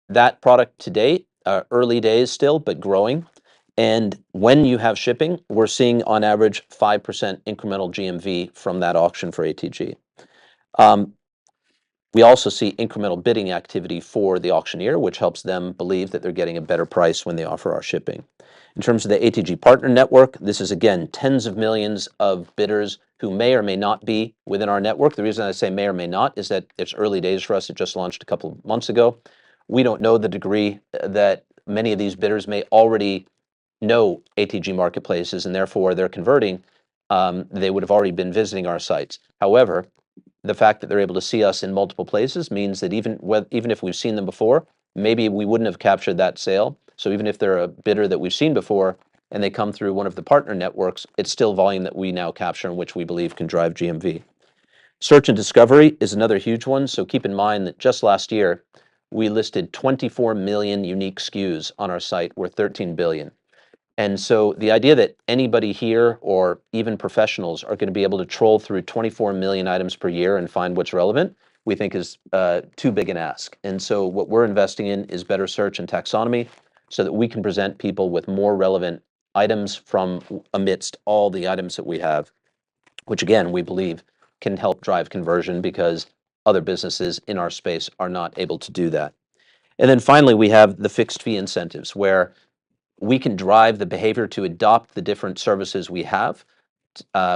that product today, early days still, but growing. When you have shipping, we're seeing on average 5% incremental GMV from that auction for ATG. We also see incremental bidding activity for the auctioneer, which helps them believe that they're getting a better price when they offer our shipping. In terms of the ATG Partner Network. This is again tens of millions of bidders who may or may not be within our network. The reason I say may or may not is that it's early days for us. It just launched a couple of months ago. We don't know the degree that many of these bidders may already know ATG marketplaces, and therefore they're converting. They would have already been visiting our sites. However, the fact that they're able to see us in multiple places means that even if we've seen them before, maybe we wouldn't have captured that sale. Even if they're a bidder that we've seen before and they come through one of the partner networks, it's still volume that we now capture and which we believe can drive GMV. Search and discovery is another huge one. Keep in mind that just last year, we listed 24 million unique SKUs on our site. We're 13 billion, and so the idea that anybody here or even professionals are going to be able to troll through 24 million items per year and find what's relevant, we think is too big an ask. What we're investing in is better search and taxonomy, so that we can present people with more relevant items from amidst all the items that we have, which again, we believe can help drive conversion because other businesses in our space are not able to do that. Then finally, we have the fixed fee incentives where we can drive the behavior to adopt the different services we have,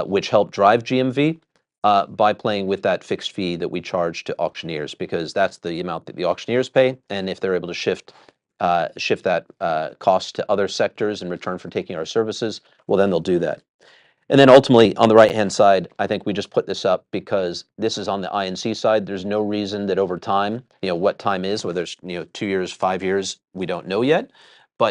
which help drive GMV by playing with that fixed fee that we charge to auctioneers, because that's the amount that the auctioneers pay. If they're able to shift that cost to other sectors in return for taking our services, well, then they'll do that. Then ultimately, on the right-hand side, I think we just put this up because this is on the I&C side. There's no reason that over time, what time is, whether it's two years, five years, we don't know yet.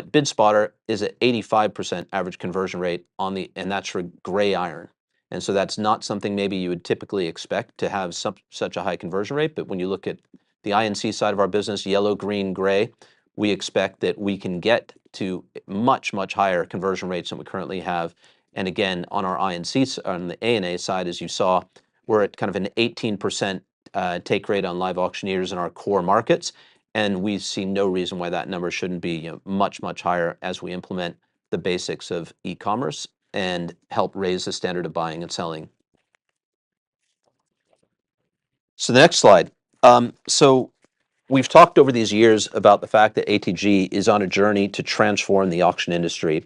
BidSpotter is at 85% average conversion rate on the, and that's for Gray Iron. That's not something maybe you would typically expect to have such a high conversion rate, but when you look at the I&C side of our business, Yellow, Green, Gray, we expect that we can get to much, much higher conversion rates than we currently have. Again, on our I&C, on the A&A side, as you saw, we're at kind of an 18% take rate on LiveAuctioneers in our core markets. We see no reason why that number shouldn't be much, much higher as we implement the basics of e-commerce and help raise the standard of buying and selling, so the next slide. We've talked over these years about the fact that ATG is on a journey to transform the auction industry.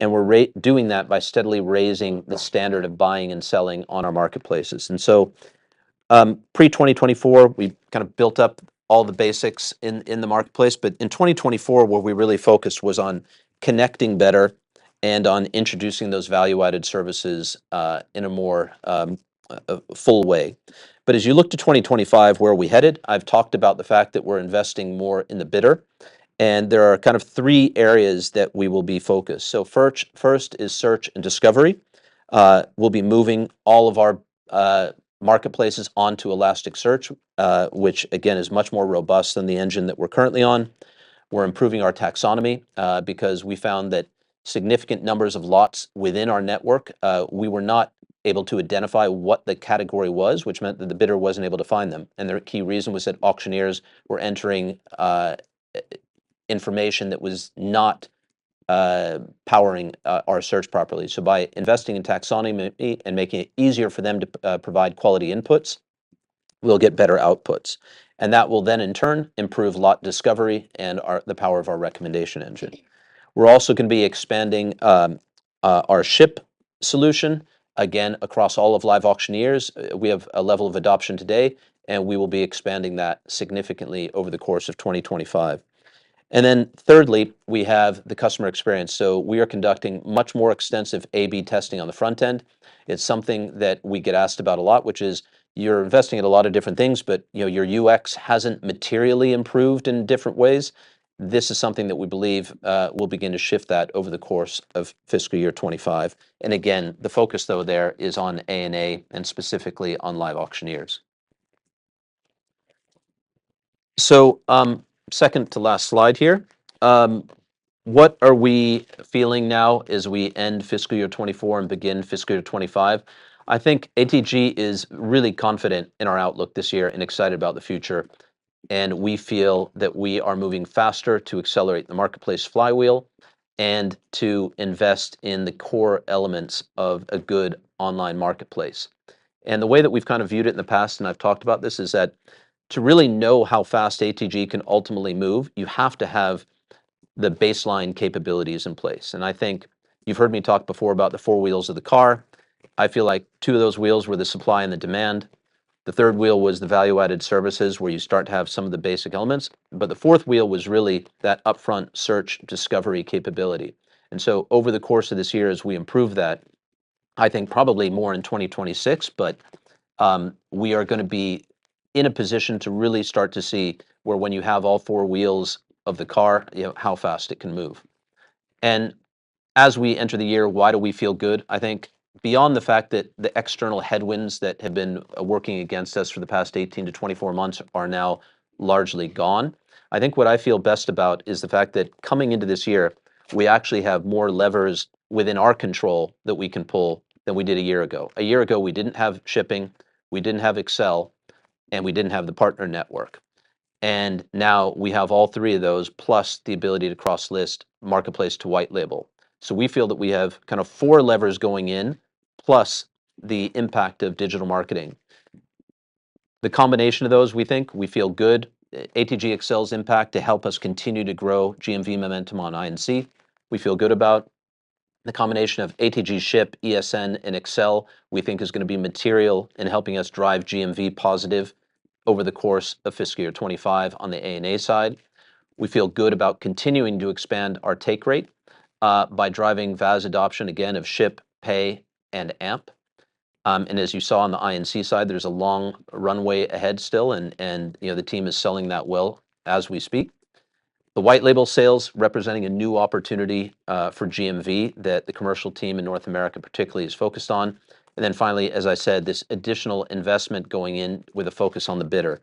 We're doing that by steadily raising the standard of buying and selling on our marketplaces. Pre-2024, we kind of built up all the basics in the marketplace. In 2024, where we really focused was on connecting better and on introducing those value-added services in a more full way. As you look to 2025, where are we headed? I've talked about the fact that we're investing more in the bidder. There are kind of three areas that we will be focused. First is search and discovery. We'll be moving all of our marketplaces onto Elasticsearch, which, again, is much more robust than the engine that we're currently on. We're improving our taxonomy because we found that significant numbers of lots within our network, we were not able to identify what the category was, which meant that the bidder wasn't able to find them, and the key reason was that auctioneers were entering information that was not powering our search properly, so by investing in taxonomy and making it easier for them to provide quality inputs. We'll get better outputs, and that will then, in turn, improve lot discovery and the power of our recommendation engine. We're also going to be expanding our ship solution, again across all of LiveAuctioneers. We have a level of adoption today, and we will be expanding that significantly over the course of 2025, and then thirdly, we have the customer experience, so we are conducting much more extensive A/B testing on the front end. It's something that we get asked about a lot, which is you're investing in a lot of different things, but your UX hasn't materially improved in different ways. This is something that we believe will begin to shift that over the course of fiscal year 2025, and again the focus though there is on A&A and specifically on LiveAuctioneers. Second to last slide here. What are we feeling now as we end fiscal year 2024 and begin fiscal year 2025? I think ATG is really confident in our outlook this year and excited about the future, and we feel that we are moving faster to accelerate the marketplace flywheel and to invest in the core elements of a good online marketplace. The way that we've kind of viewed it in the past, and I've talked about this, is that to really know how fast ATG can ultimately move, you have to have the baseline capabilities in place. I think you've heard me talk before about the four wheels of the car. I feel like two of those wheels were the supply and the demand. The third wheel was really that upfront search discovery capability. Over the course of this year, as we improve that, I think probably more in 2026, but we are going to be in a position to really start to see where when you have all four wheels of the car, how fast it can move. As we enter the year, why do we feel good? I think beyond the fact that the external headwinds that have been working against us for the past 18-24 months are now largely gone, I think what I feel best about is the fact that coming into this year, we actually have more levers within our control that we can pull than we did a year ago. A year ago, we didn't have shipping, we didn't have Excel, and we didn't have the partner network. Now we have all three of those, plus the ability to cross-list marketplace to white label. We feel that we have kind of four levers going in, plus the impact of digital marketing. The combination of those, we think we feel good. ATG XL's impact to help us continue to grow GMV momentum on I&C, we feel good about. The combination of ATG Ship, ESN, and XL, we think is going to be material in helping us drive GMV positive over the course of fiscal year 2025 on the A&A side. We feel good about continuing to expand our take rate by driving VAS adoption again, of Ship, Pay, and AMP. As you saw on the I&C side, there's a long runway ahead still, and the team is selling that well as we speak. The white label sales representing a new opportunity for GMV that the commercial team in North America particularly is focused on. Then finally, as I said, this additional investment going in with a focus on the bidder.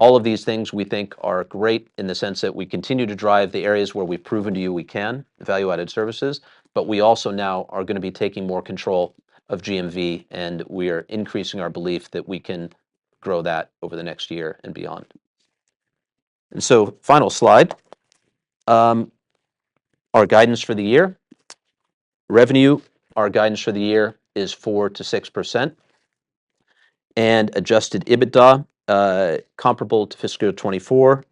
All of these things we think are great in the sense that we continue to drive the areas where we've proven to you we can value-added services, but we also now are going to be taking more control of GMV, and we are increasing our belief that we can grow that over the next year and beyond, and so final slide. Our guidance for the year: revenue, our guidance for the year is 4%-6%, and adjusted EBITDA comparable to fiscal year 2024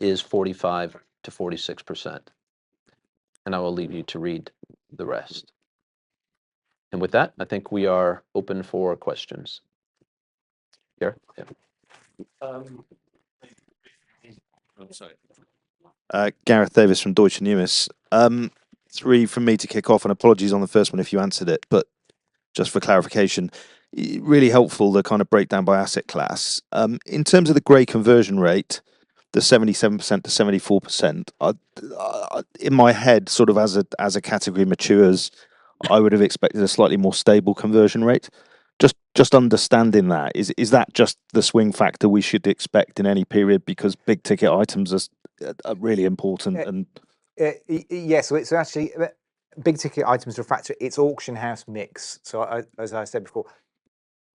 is 45%-46%. I will leave you to read the rest, and with that, I think we are open for questions. Gareth Davis from Deutsche Numis. Three for me to kick off, and apologies on the first one if you answered it, but just for clarification. Really helpful, the kind of breakdown by asset class. In terms of the Gray conversion rate, the 77%-74%, in my head, sort of as a category matures, I would have expected a slightly more stable conversion rate. Just understanding that, is that just the swing factor we should expect in any period because big ticket items are really important? Yes. Actually, big ticket items factor, it's auction house mix. As I said before,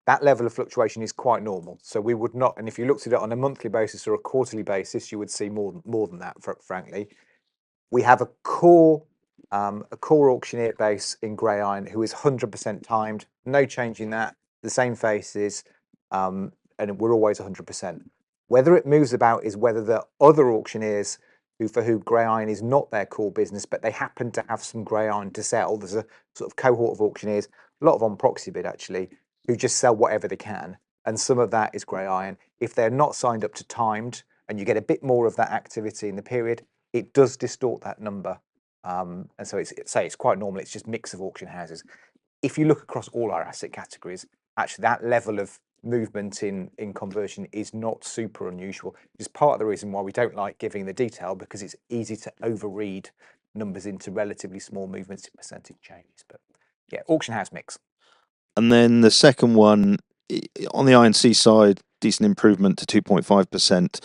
that level of fluctuation is quite normal. We would not, and if you looked at it on a monthly basis or a quarterly basis, you would see more than that, frankly. We have a core auctioneer base in Gray Iron who is 100% timed, no change in that, the same faces, and we're always 100%. Whether it moves about is whether the other auctioneers for whom Gray Iron is not their core business, but they happen to have some Gray Iron to sell. There's a sort of cohort of auctioneers, a lot of on Proxibid actually, who just sell whatever they can. Some of that is Gray Iron. If they're not signed up to timed and you get a bit more of that activity in the period, it does distort that number, and so it's quite normal. It's just mix of auction houses. If you look across all our asset categories, actually that level of movement in conversion is not super unusual. It's part of the reason why we don't like giving the detail, because it's easy to overread numbers into relatively small movements in percentage changes. Yeah, auction house mix. Then the second one on the I&C side, decent improvement to 2.5%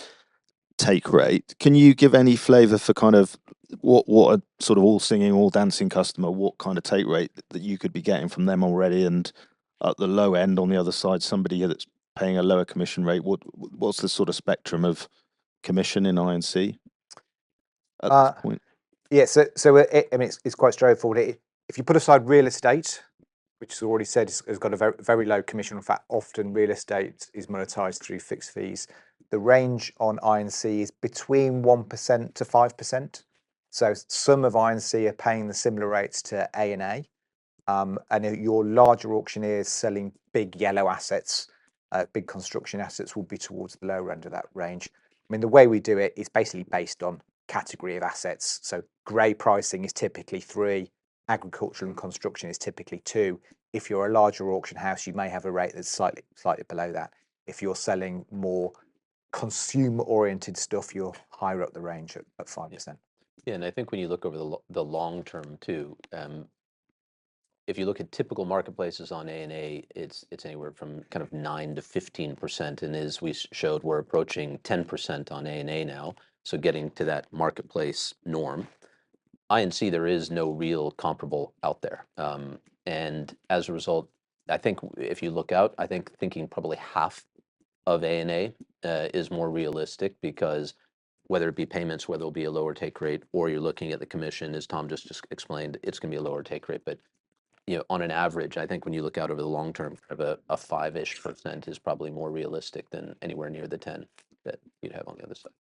take rate. Can you give any flavor for kind of what a sort of all singing, all dancing customer, what kind of take rate that you could be getting from them already? At the low end on the other side, somebody that's paying a lower commission rate, what's the sort of spectrum of commission in I&C? Yeah, I mean, it's quite straightforward. If you put aside real estate, which has already said has got a very low commission, in fact often real estate is monetized through fixed fees. The range on I&C is between 1%-5%. Some of I&C are paying the similar rates to A&A. Your larger auctioneers selling big yellow assets, big construction assets will be towards the lower end of that range. I mean, the way we do it is basically based on category of assets. Gray pricing is typically 3%. Agriculture and construction is typically 2%. If you're a larger auction house, you may have a rate that's slightly below that. If you're selling more consumer-oriented stuff, you're higher up the range at 5%. Yeah. I think when you look over the long term too, if you look at typical marketplaces on A&A, it's anywhere from kind of 9%-15%. As we showed, we're approaching 10% on A&A now. Getting to that marketplace norm, I&C there is no real comparable out there. As a result, I think if you look out, I think thinking probably half of A&A is more realistic because whether it be payments, whether it'll be a lower take rate, or you're looking at the commission, as Tom just explained, it's going to be a lower take rate, but on an average, I think when you look out over the long term, kind of a 5-ish % is probably more realistic than anywhere near the 10% that you'd have on the other side,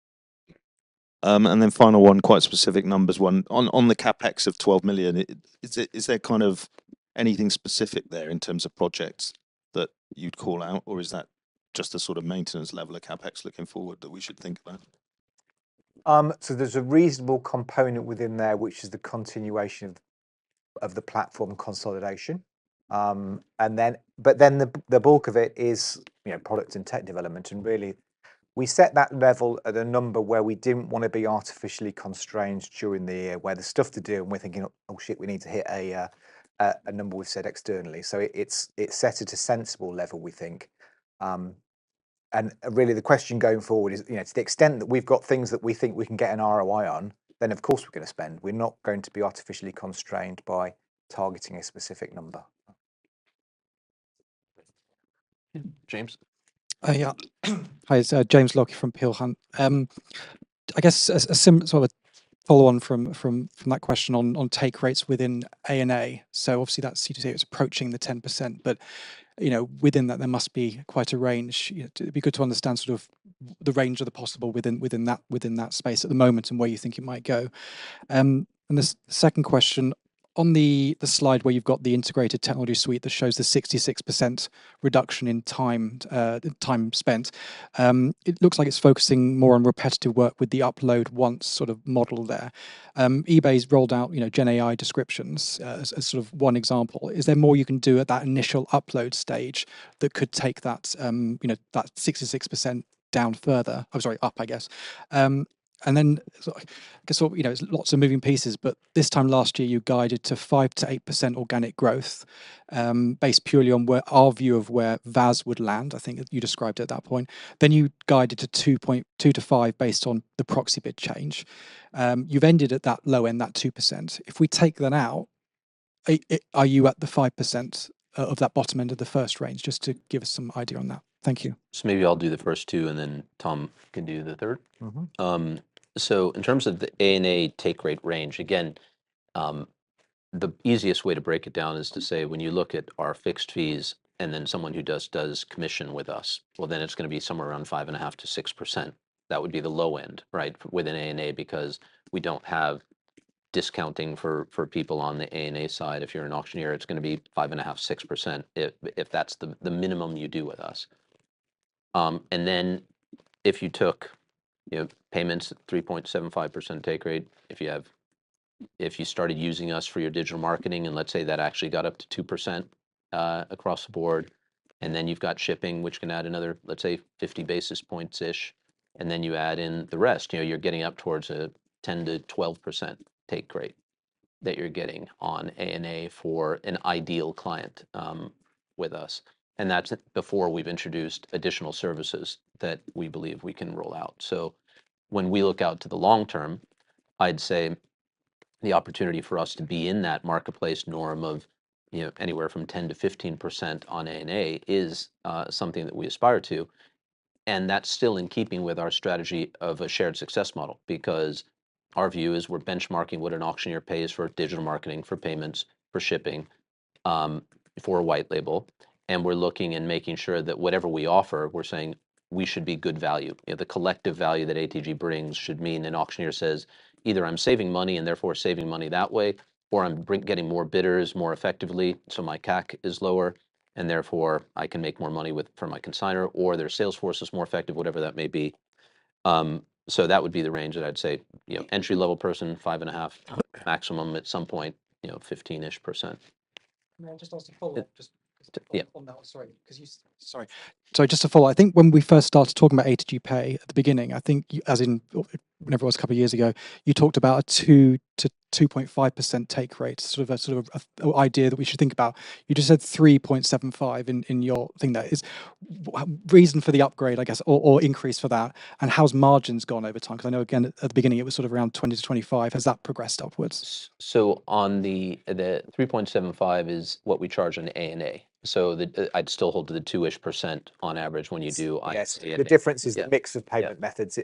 and then the final one, quite specific numbers one. On the CapEx of £12 million, is there kind of anything specific there in terms of projects that you'd call out, or is that just a sort of maintenance level of CapEx looking forward that we should think about, so there's a reasonable component within there, which is the continuation of the platform consolidation. Then the bulk of it is product and tech development. Really, we set that level at a number where we didn't want to be artificially constrained during the year, where the stuff to do, and we're thinking, "Oh shit, we need to hit a number we've set externally." It's set at a sensible level, we think. AReally, the question going forward is, to the extent that we've got things that we think we can get an ROI on, then of course we're going to spend. We're not going to be artificially constrained by targeting a specific number. James? Yeah. Hi, it's James Lockyer from Peel Hunt. I guess a similar sort of follow-on from that question on take rates within A&A, so obviously that's C2C, it's approaching the 10%. But within that, there must be quite a range. It'd be good to understand sort of the range of the possible within that space at the moment and where you think it might go. The second question, on the slide where you've got the integrated technology suite that shows the 66% reduction in time spent, it looks like it's focusing more on repetitive work with the upload once sort of model there. eBay's rolled out GenAI descriptions as sort of one example. Is there more you can do at that initial upload stage that could take that 66% down further? I'm sorry, up, I guess. Then I guess lots of moving pieces, but this time last year, you guided to 5%-8% organic growth based purely on our view of where VAS would land. I think you described it at that point. Then you guided to 2%-5% based on the proxy bid change. You've ended at that low end, that 2%. If we take that out, are you at the 5% of that bottom end of the first range? Just to give us some idea on that. Thank you. Maybe I'll do the first two and then Tom can do the third. In terms of the A&A take rate range, again, the easiest way to break it down is to say when you look at our fixed fees and then someone who does commission with us, well then it's going to be somewhere around 5.5%-6%. That would be the low end, right, within A&A because we don't have discounting for people on the A&A side. If you're an auctioneer, it's going to be 5.5%-6% if that's the minimum you do with us. Then if you took payments at 3.75% take rate, if you started using us for your digital marketing and let's say that actually got up to 2% across the board, and then you've got shipping, which can add another, let's say, 50 basis points-ish, and then you add in the rest, you're getting up towards a 10%-12% take rate that you're getting on A&A for an ideal client with us. That's before we've introduced additional services that we believe we can roll out. When we look out to the long term, I'd say the opportunity for us to be in that marketplace norm of anywhere from 10%-15% on A&A is something that we aspire to. That's still in keeping with our strategy of a shared success model because our view is we're benchmarking what an auctioneer pays for digital marketing, for payments, for shipping, for a white label. We're looking and making sure that whatever we offer, we're saying we should be good value. The collective value that ATG brings should mean an auctioneer says, "Either I'm saving money and therefore saving money that way, or I'm getting more bidders more effectively, so my CAC is lower, and therefore I can make more money for my consignor, or their sales force is more effective," whatever that may be. That would be the range that I'd say entry-level person, 5.5% maximum at some point, 15-ish%. Just to follow up, sorry. I think when we first started talking about ATG Pay at the beginning, I think as in whenever it was a couple of years ago, you talked about a 2-2.5% take rate, sort of an idea that we should think about. You just said 3.75% in your thing there. Reason for the upgrade, I guess or increase for that, and how's margins gone over time? Because I know again at the beginning it was sort of around 20%-25%. Has that progressed upwards? On the 3.75% is what we charge on A&A, so I'd still hold to the 2-ish% on average when you do I&A. Yes, the difference is the mix of payment methods.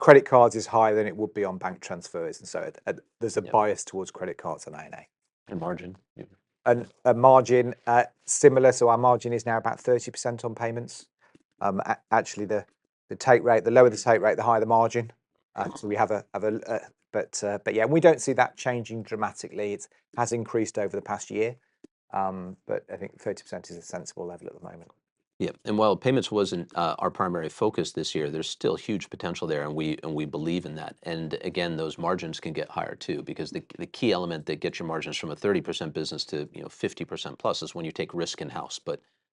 Credit cards is higher than it would be on bank transfers, and so there's a bias towards credit cards on A&A and margin? Margin similar. Our margin is now about 30% on payments. Actually, the take rate, the lower the take rate, the higher the margin. Yeah, and we don't see that changing dramatically. It has increased over the past year, but I think 30% is a sensible level at the moment. Yeah. While payments wasn't our primary focus this year, there's still huge potential there, and we believe in that. Again, those margins can get higher too because the key element that gets your margins from a 30% business to 50%+ is when you take risk in-house.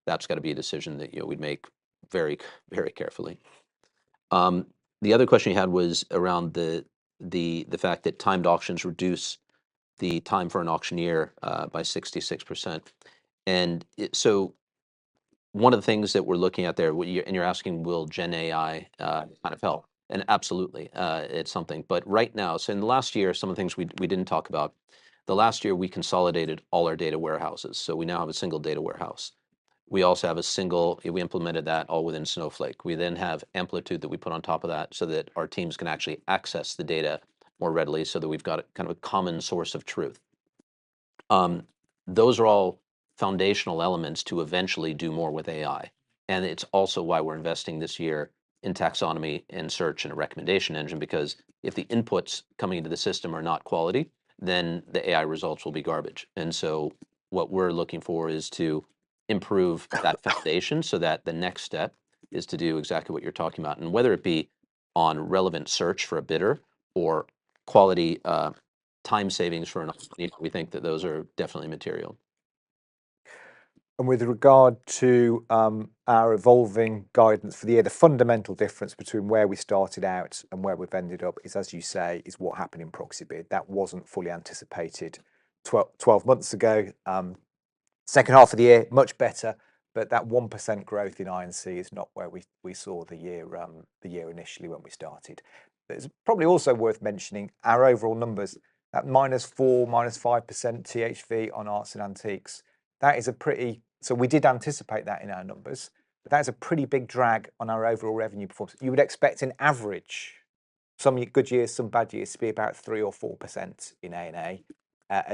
That's got to be a decision that we'd make very, very carefully. The other question you had was around the fact that timed auctions reduce the time for an auctioneer by 66%. One of the things that we're looking at there, and you're asking, "Will GenAI kind of help?" Absolutely, it's something. Right now, so in the last year, some of the things we didn't talk about, the last year we consolidated all our data warehouses. We now have a single data warehouse. We also have a single, we implemented that all within Snowflake. We then have Amplitude that we put on top of that so that our teams can actually access the data more readily so that we've got kind of a common source of truth. Those are all foundational elements to eventually do more with AI. It's also why we're investing this year in taxonomy and search and a recommendation engine, because if the inputs coming into the system are not quality, then the AI results will be garbage. What we're looking for is to improve that foundation, so that the next step is to do exactly what you're talking about. Whether it be on relevant search for a bidder or quality time savings for an auctioneer, we think that those are definitely material. With regard to our evolving guidance for the year, the fundamental difference between where we started out and where we've ended up is, as you say, is what happened in Proxibid. That wasn't fully anticipated 12 months ago. Second half of the year, much better, but that 1% growth in I&C is not where we saw the year initially when we started. It's probably also worth mentioning our overall numbers, that -4% to -5% THV on arts and antiques. That is a pretty, so we did anticipate that in our numbers, but that is a pretty big drag on our overall revenue performance. You would expect on average, some good years, some bad years, to be about 3% or 4% in A&A.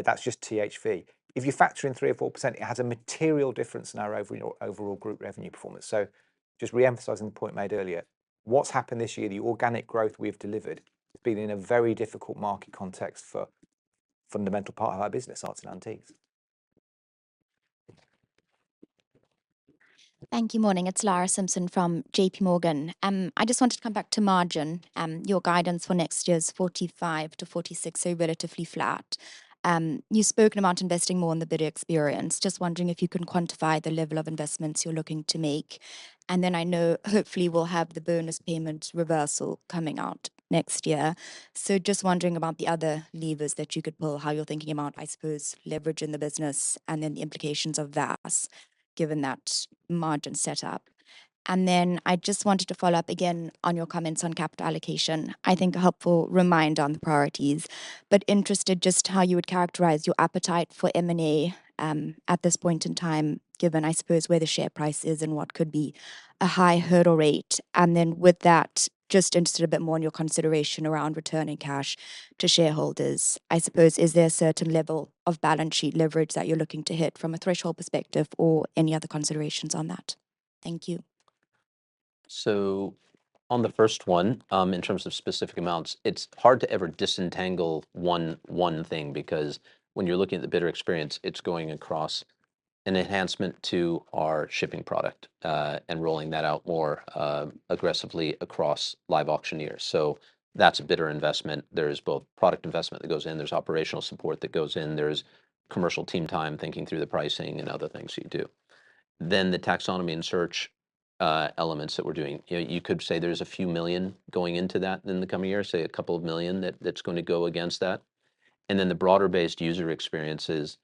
That's just THV. If you factor in 3% or 4%, it has a material difference in our overall group revenue performance. Just reemphasizing the point made earlier, what's happened this year, the organic growth we've delivered, has been in a very difficult market context for a fundamental part of our business, arts and antiques. Thank you. Morning, it's Lara Simpson from J.P. Morgan. I just wanted to come back to margin, your guidance for next year's 45-46, so relatively flat. You spoke about investing more in the bidder experience. Just wondering if you can quantify the level of investments you're looking to make, and then I know hopefully we'll have the bonus payments reversal coming out next year. Just wondering about the other levers that you could pull, how you're thinking about, I suppose, leverage in the business and then the implications of VAS given that margin setup. I just wanted to follow up again on your comments on capital allocation. I think a helpful reminder on the priorities, but interested just how you would characterize your appetite for M&A at this point in time, given, I suppose, where the share price is and what could be a high hurdle rate. Then with that, just interested a bit more in your consideration around returning cash to shareholders. I suppose, is there a certain level of balance sheet leverage that you're looking to hit from a threshold perspective or any other considerations on that? Thank you. On the first one, in terms of specific amounts, it's hard to ever disentangle one thing because when you're looking at the bidder experience, it's going across an enhancement to our shipping product and rolling that out more aggressively across LiveAuctioneers. That's a bidder investment. There is both product investment that goes in, there's operational support that goes in, there's commercial team time thinking through the pricing and other things you do. Then the taxonomy and search elements that we're doing, you could say there's a few million going into that in the coming year, say a couple of million that's going to go against that. Then the broader-based user experiences,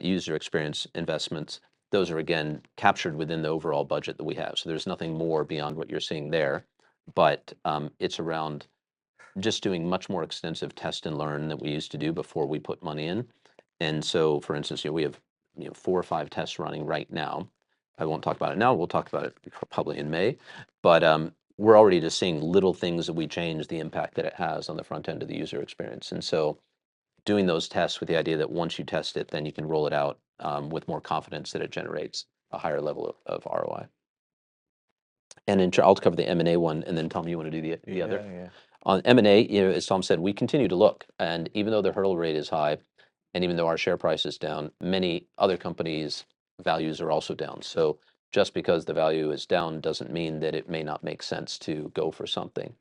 user experience investments, those are again captured within the overall budget that we have. There's nothing more beyond what you're seeing there, but it's around just doing much more extensive test and learn that we used to do before we put money in. For instance, we have four or five tests running right now. I won't talk about it now. We'll talk about it probably in May, but we're already just seeing little things that we change, the impact that it has on the front end of the user experience. Doing those tests with the idea that once you test it, then you can roll it out with more confidence that it generates a higher level of ROI. I'll just cover the M&A one and then Tom, you want to do the other? Yeah. On M&A, as Tom said, we continue to look. Even though the hurdle rate is high and even though our share price is down, many other companies' values are also down. Just because the value is down doesn't mean that it may not make sense to go for something.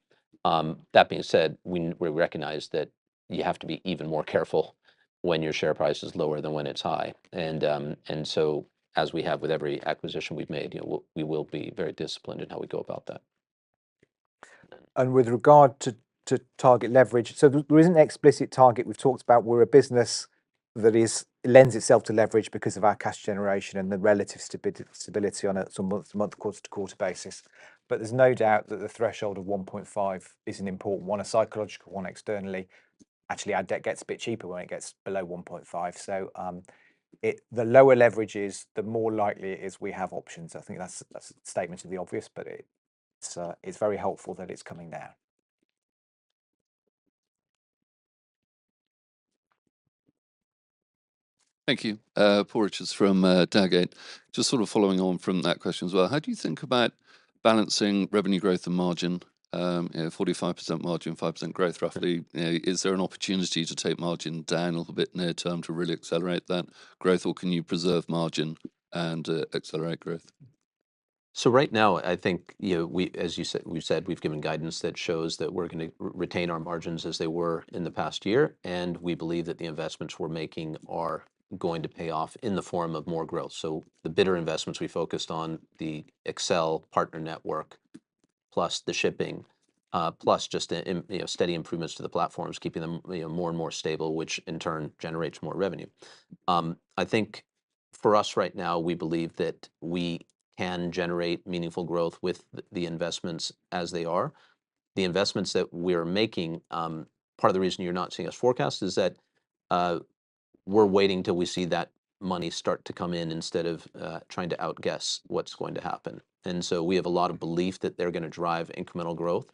That being said, we recognize that you have to be even more careful when your share price is lower than when it's high. As we have with every acquisition we've made, we will be very disciplined in how we go about that. With regard to target leverage, so there isn't an explicit target. We've talked about we're a business that lends itself to leverage, because of our cash generation and the relative stability on a month-to-quarter basis. There's no doubt that the threshold of 1.5 is an important one, a psychological one externally. Actually, our debt gets a bit cheaper when it gets below 1.5, so the lower leverage is, the more likely it is we have options. I think that's a statement to the obvious, but it's very helpful that it's coming down. Thank you. [Andrew Parr is from Dowgate Capital]. Just sort of following on from that question as well. How do you think about balancing revenue growth and margin? 45% margin, 5% growth, roughly. Is there an opportunity to take margin down a little bit near term to really accelerate that growth, or can you preserve margin and accelerate growth? Right now, I think as you said, we've given guidance that shows that we're going to retain our margins as they were in the past year. We believe that the investments we're making are going to pay off in the form of more growth. The bidder investments we focused on, the XL partner network, plus the shipping, plus just steady improvements to the platforms, keeping them more and more stable, which in turn generates more revenue. I think for us right now, we believe that we can generate meaningful growth with the investments as they are. The investments that we're making, part of the reason you're not seeing us forecast is that we're waiting till we see that money start to come in instead of trying to outguess what's going to happen. We have a lot of belief that they're going to drive incremental growth.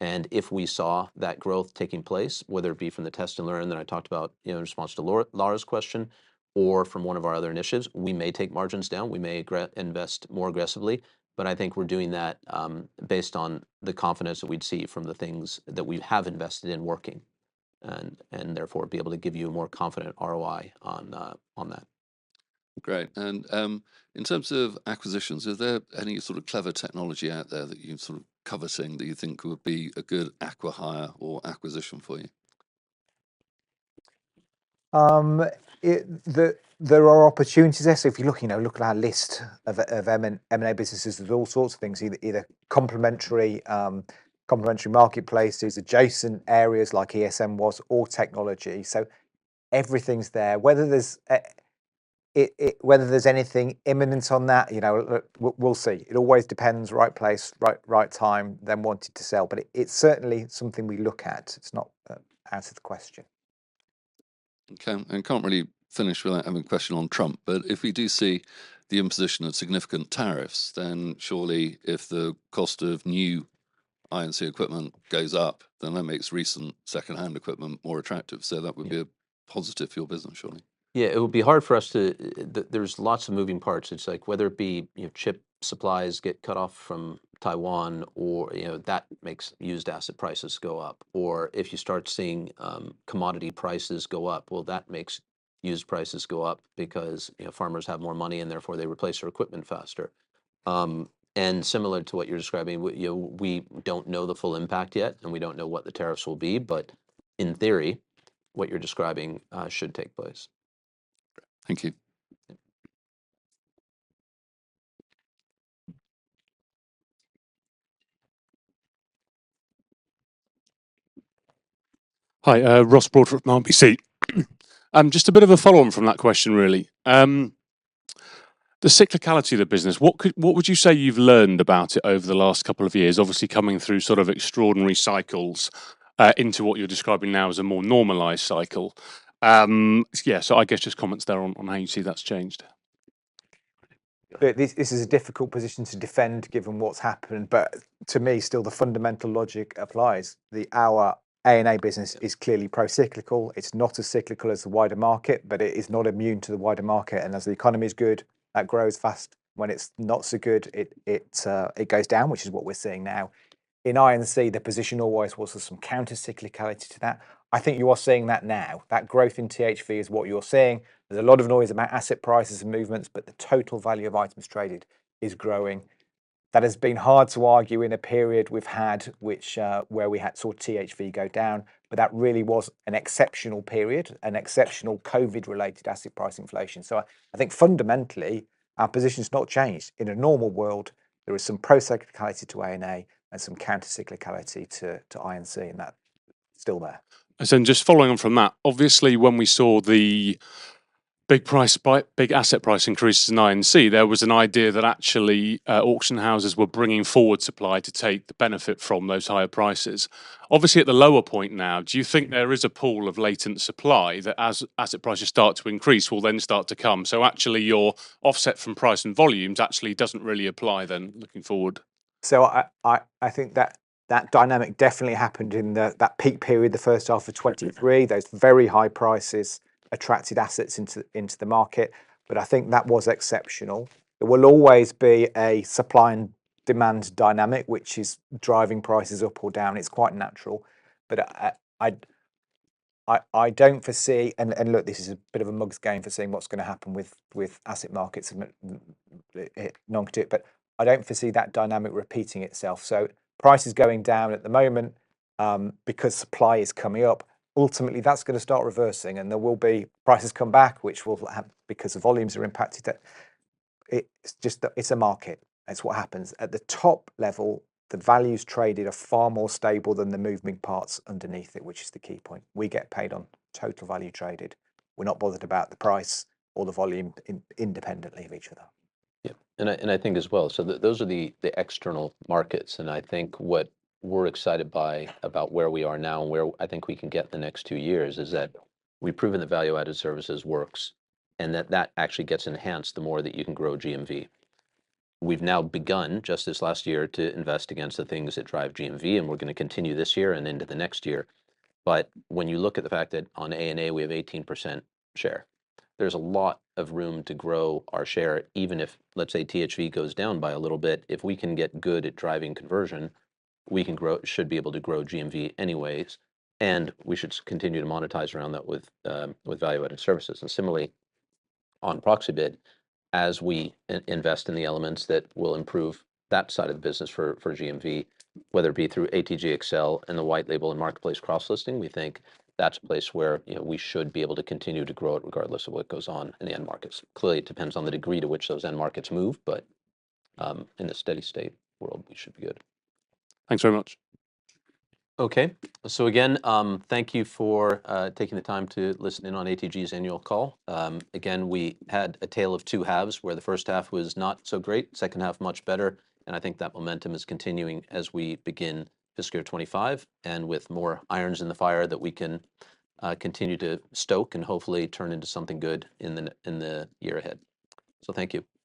If we saw that growth taking place, whether it be from the test and learn that I talked about in response to Lara's question, or from one of our other initiatives, we may take margins down, we may invest more aggressively. I think we're doing that based on the confidence that we'd see from the things that we have invested in working, and therefore be able to give you a more confident ROI on that. Great. In terms of acquisitions, is there any sort of clever technology out there that you're sort of covering that you think would be a good acquihire or acquisition for you? There are opportunities there. If you look at our list of M&A businesses, there's all sorts of things, either complementary marketplaces, adjacent areas like ESN was, or technology, so everything's there. Whether there's anything imminent on that, we'll see. It always depends right place, right time, then wanting to sell. it's certainly something we look at. It's not out of the question. Okay, and can't really finish without having a question on Trump. If we do see the imposition of significant tariffs, then surely if the cost of new I&C equipment goes up, then that makes recent secondhand equipment more attractive. That would be a positive for your business, surely. Yeah, it would be hard for us to, there's lots of moving parts. It's like whether it be chip supplies get cut off from Taiwan or that makes used asset prices go up. Or if you start seeing commodity prices go up, well, that makes used prices go up because farmers have more money and therefore they replace their equipment faster. Similar to what you're describing, we don't know the full impact yet, and we don't know what the tariffs will be. In theory, what you're describing should take place. Thank you. Hi, Ross Broad from RBC. Just a bit of a follow-on from that question, really. The cyclicality of the business, what would you say you've learned about it over the last couple of years, obviously coming through sort of extraordinary cycles into what you're describing now as a more normalized cycle? Yeah, so I guess just comments there on how you see that's changed. This is a difficult position to defend given what's happened. To me, still the fundamental logic applies. Our A&A business is clearly pro-cyclical. It's not as cyclical as the wider market, but it is not immune to the wider market. As the economy is good, that grows fast. When it's not so good, it goes down, which is what we're seeing now. In I&C, the position always was there's some counter-cyclicality to that. I think you are seeing that now. That growth in THV is what you're seeing. There's a lot of noise about asset prices and movements, but the total value of items traded is growing. That has been hard to argue in a period we've had where we had saw THV go down, but that really was an exceptional period, an exceptional COVID-related asset price inflation. I think fundamentally, our position has not changed. In a normal world, there is some pro-cyclicality to A&A and some counter-cyclicality to I&C, and that's still there. Just following on from that obviously when we saw the big price spike, big asset price increases in I&C, there was an idea that actually auction houses were bringing forward supply to take the benefit from those higher prices. Obviously, at the lower point now, do you think there is a pool of latent supply that as asset prices start to increase, will then start to come? Actually, your offset from price and volumes actually doesn't really apply then, looking forward. I think that dynamic definitely happened in that peak period, the first half of 2023. Those very high prices attracted assets into the market, but I think that was exceptional. There will always be a supply and demand dynamic, which is driving prices up or down. It's quite natural. I don't foresee, and look, this is a bit of a mug's game for seeing what's going to happen with asset markets and non-competitive, but I don't foresee that dynamic repeating itself. Prices going down at the moment because supply is coming up, ultimately, that's going to start reversing. There will be prices come back, which will happen because the volumes are impacted. It's a market. That's what happens. At the top level, the values traded are far more stable than the moving parts underneath it, which is the key point. We get paid on total value traded. We're not bothered about the price or the volume independently of each other. Yeah, and I think as well. Those are the external markets. I think what we're excited by about where we are now, and where I think we can get the next two years is that we've proven the value-added services works and that that actually gets enhanced the more that you can grow GMV. We've now begun, just this last year, to invest against the things that drive GMV, and we're going to continue this year and into the next year. When you look at the fact that on A&A, we have 18% share, there's a lot of room to grow our share. Even if, let's say THV goes down by a little bit, if we can get good at driving conversion, we should be able to grow GMV anyways. We should continue to monetize around that with value-added services. Similarly, on Proxibid, as we invest in the elements that will improve that side of the business for GMV. Whether it be through ATG XL and the white label and marketplace cross-listing, we think that's a place where we should be able to continue to grow it regardless of what goes on in the end markets. Clearly, it depends on the degree to which those end markets move, but in a steady state world, we should be good. Thanks very much. Okay. Again, thank you for taking the time to listen in on ATG's annual call. Again, we had a tale of two halves where the first half was not so great, second half much better. I think that momentum is continuing as we begin fiscal year 2025, and with more irons in the fire that we can continue to stoke and hopefully turn into something good in the year ahead, so thank you.